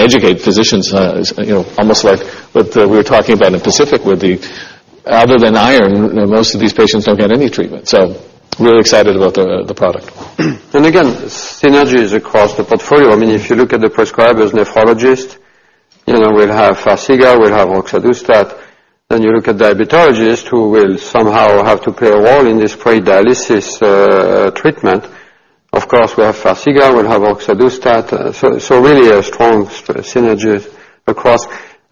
educate physicians, almost like what we were talking about in PACIFIC with the other than iron, most of these patients don't get any treatment. Really excited about the product. synergies across the portfolio. If you look at the prescribers, nephrologists, we'll have FARXIGA, we'll have roxadustat. You look at diabetologists who will somehow have to play a role in this pre-dialysis treatment. Of course, we have FARXIGA, we'll have roxadustat. Really strong synergies across.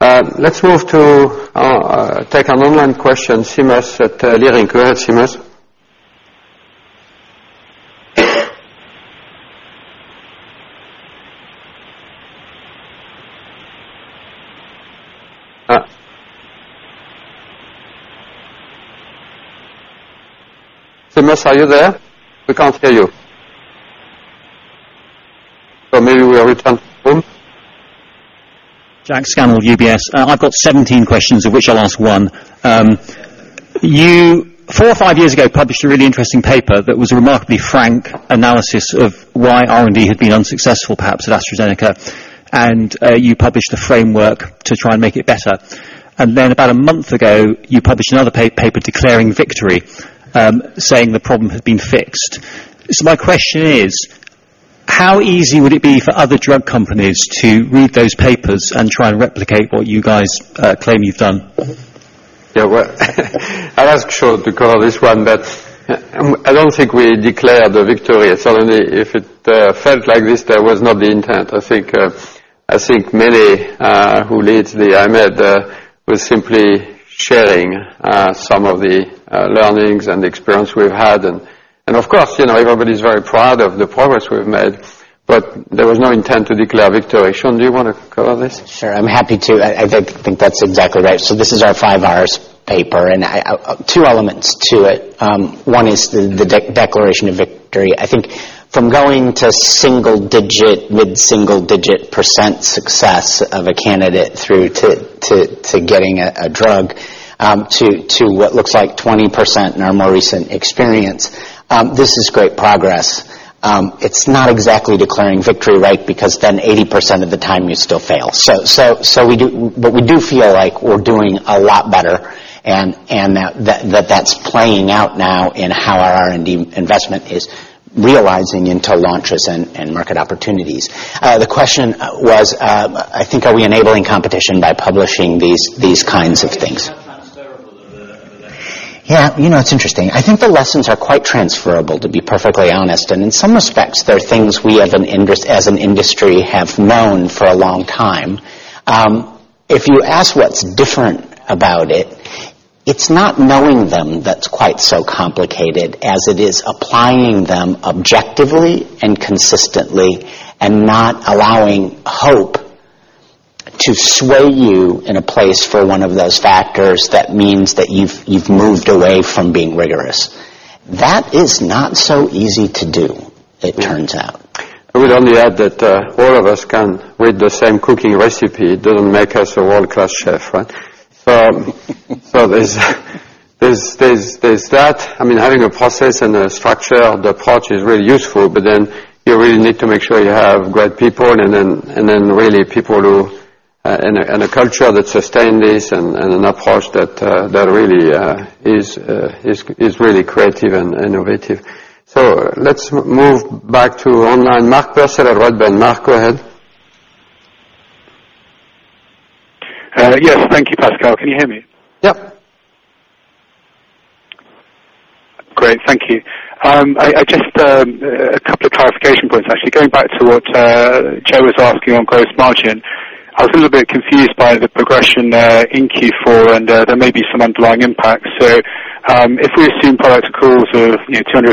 Let's take an online question. Seamus at Leerink. Go ahead, Seamus. Seamus, are you there? We can't hear you. Maybe we return to the room. Jack Scannell, UBS. I've got 17 questions, of which I'll ask one. You, four or five years ago, published a really interesting paper that was a remarkably frank analysis of why R&D had been unsuccessful, perhaps, at AstraZeneca, and you published a framework to try and make it better. About a month ago, you published another paper declaring victory, saying the problem had been fixed. My question is, how easy would it be for other drug companies to read those papers and try and replicate what you guys claim you've done? I'll ask Sean to cover this one, I don't think we declared a victory. If it felt like this, that was not the intent. I think Mary, who leads the IMED, was simply sharing some of the learnings and experience we've had. Of course, everybody's very proud of the progress we've made, there was no intent to declare a victory. Sean, do you want to cover this? Sure, I'm happy to. I think that's exactly right. This is our 5R's paper, two elements to it. One is the declaration of victory. I think from going to mid-single digit % success of a candidate through to getting a drug, to what looks like 20% in our more recent experience, this is great progress. It's not exactly declaring victory because 80% of the time you still fail. We do feel like we're doing a lot better, and that that's playing out now in how our R&D investment is realizing into launches and market opportunities. The question was, I think, are we enabling competition by publishing these kinds of things? How transferable are they? Yeah. It's interesting. I think the lessons are quite transferable, to be perfectly honest. In some respects, they're things we as an industry have known for a long time. If you ask what's different about it's not knowing them that's quite so complicated as it is applying them objectively and consistently and not allowing hope to sway you in a place for one of those factors that means that you've moved away from being rigorous. That is not so easy to do, it turns out. I would only add that all of us can read the same cooking recipe. It doesn't make us a world-class chef. Right? There's that. Having a process and a structure, the approach is really useful, you really need to make sure you have great people and a culture that sustain this and an approach that really is creative and innovative. Let's move back to online. Mark Purcell at Redburn. Mark, go ahead. Yes. Thank you, Pascal. Can you hear me? Yep. Great. Thank you. Just a couple of clarification points, actually. Going back to what Jo was asking on gross margin, I was a little bit confused by the progression in Q4, and there may be some underlying impacts. If we assume product calls of $250 million,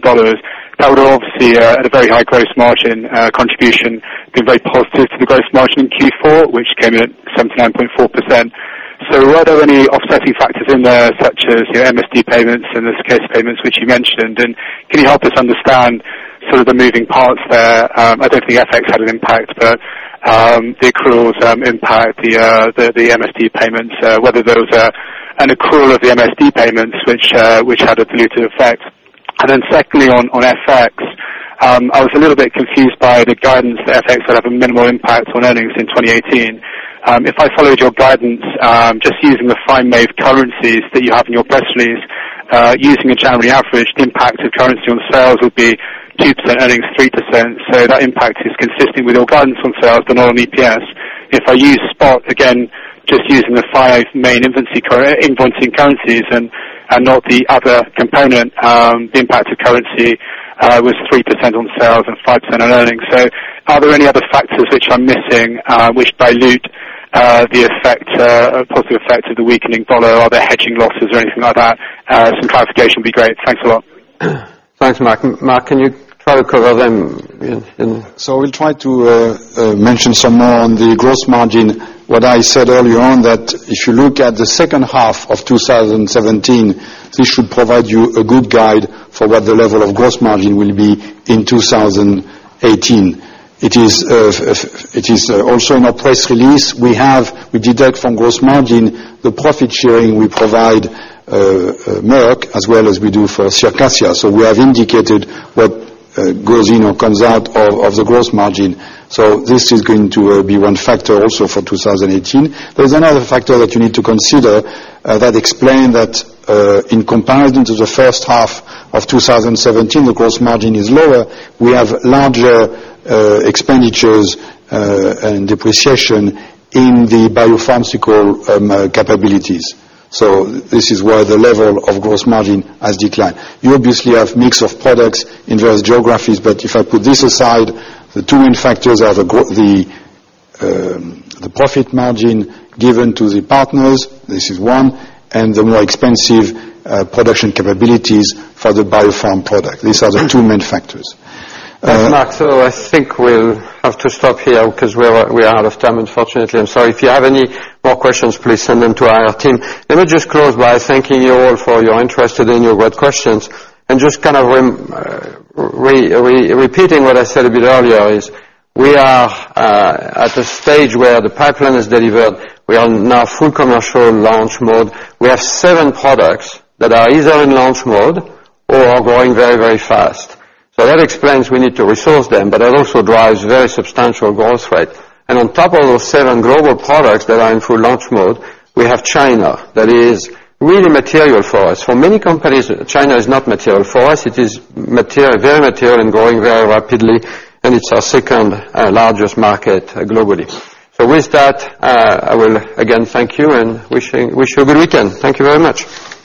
$300 million, that would obviously, at a very high gross margin contribution, been very positive for the gross margin in Q4, which came in at 79.4%. Were there any offsetting factors in there, such as your MSD payments and the Circassia payments, which you mentioned? Can you help us understand the moving parts there? I don't think FX had an impact, but the accruals impact the MSD payments, whether there was an accrual of the MSD payments, which had a dilutive effect. Secondly, on FX, I was a little bit confused by the guidance that FX will have a minimal impact on earnings in 2018. If I followed your guidance, just using the five main currencies that you have in your press release, using a January average, the impact of currency on sales would be 2% earnings, 3%. That impact is consistent with your guidance on sales but not on EPS. If I use Spot, again, just using the five main invoicing currencies and not the other component, the impact of currency was 3% on sales and 5% on earnings. Are there any other factors which I'm missing which dilute the positive effect of the weakening dollar? Are there hedging losses or anything like that? Some clarification would be great. Thanks a lot. Thanks, Marc. Marc, can you try to cover them We'll try to mention some more on the gross margin. What I said earlier that if you look at the second half of 2017, this should provide you a good guide for what the level of gross margin will be in 2018. It is also in our press release. We deduct from gross margin the profit sharing we provide Merck as well as we do for Circassia. We have indicated what goes in or comes out of the gross margin. This is going to be one factor also for 2018. There's another factor that you need to consider that explain that in comparison to the first half of 2017, the gross margin is lower. We have larger expenditures and depreciation in the biopharmaceutical capabilities. This is where the level of gross margin has declined. You obviously have mix of products in various geographies, if I put this aside, the two main factors are the profit margin given to the partners, this is one, and the more expensive production capabilities for the biopharma product. These are the two main factors. Thanks, Marc. I think we'll have to stop here because we are out of time, unfortunately. I'm sorry. If you have any more questions, please send them to our team. Let me just close by thanking you all for your interest and your great questions, and just kind of repeating what I said a bit earlier is we are at a stage where the pipeline is delivered. We are now full commercial launch mode. We have seven products that are either in launch mode or are growing very, very fast. That explains we need to resource them, but that also drives very substantial growth rate. On top of those seven global products that are in full launch mode, we have China. That is really material for us. For many companies, China is not material. For us, it is very material and growing very rapidly, and it's our second largest market globally. With that, I will again thank you and wish you a good weekend. Thank you very much.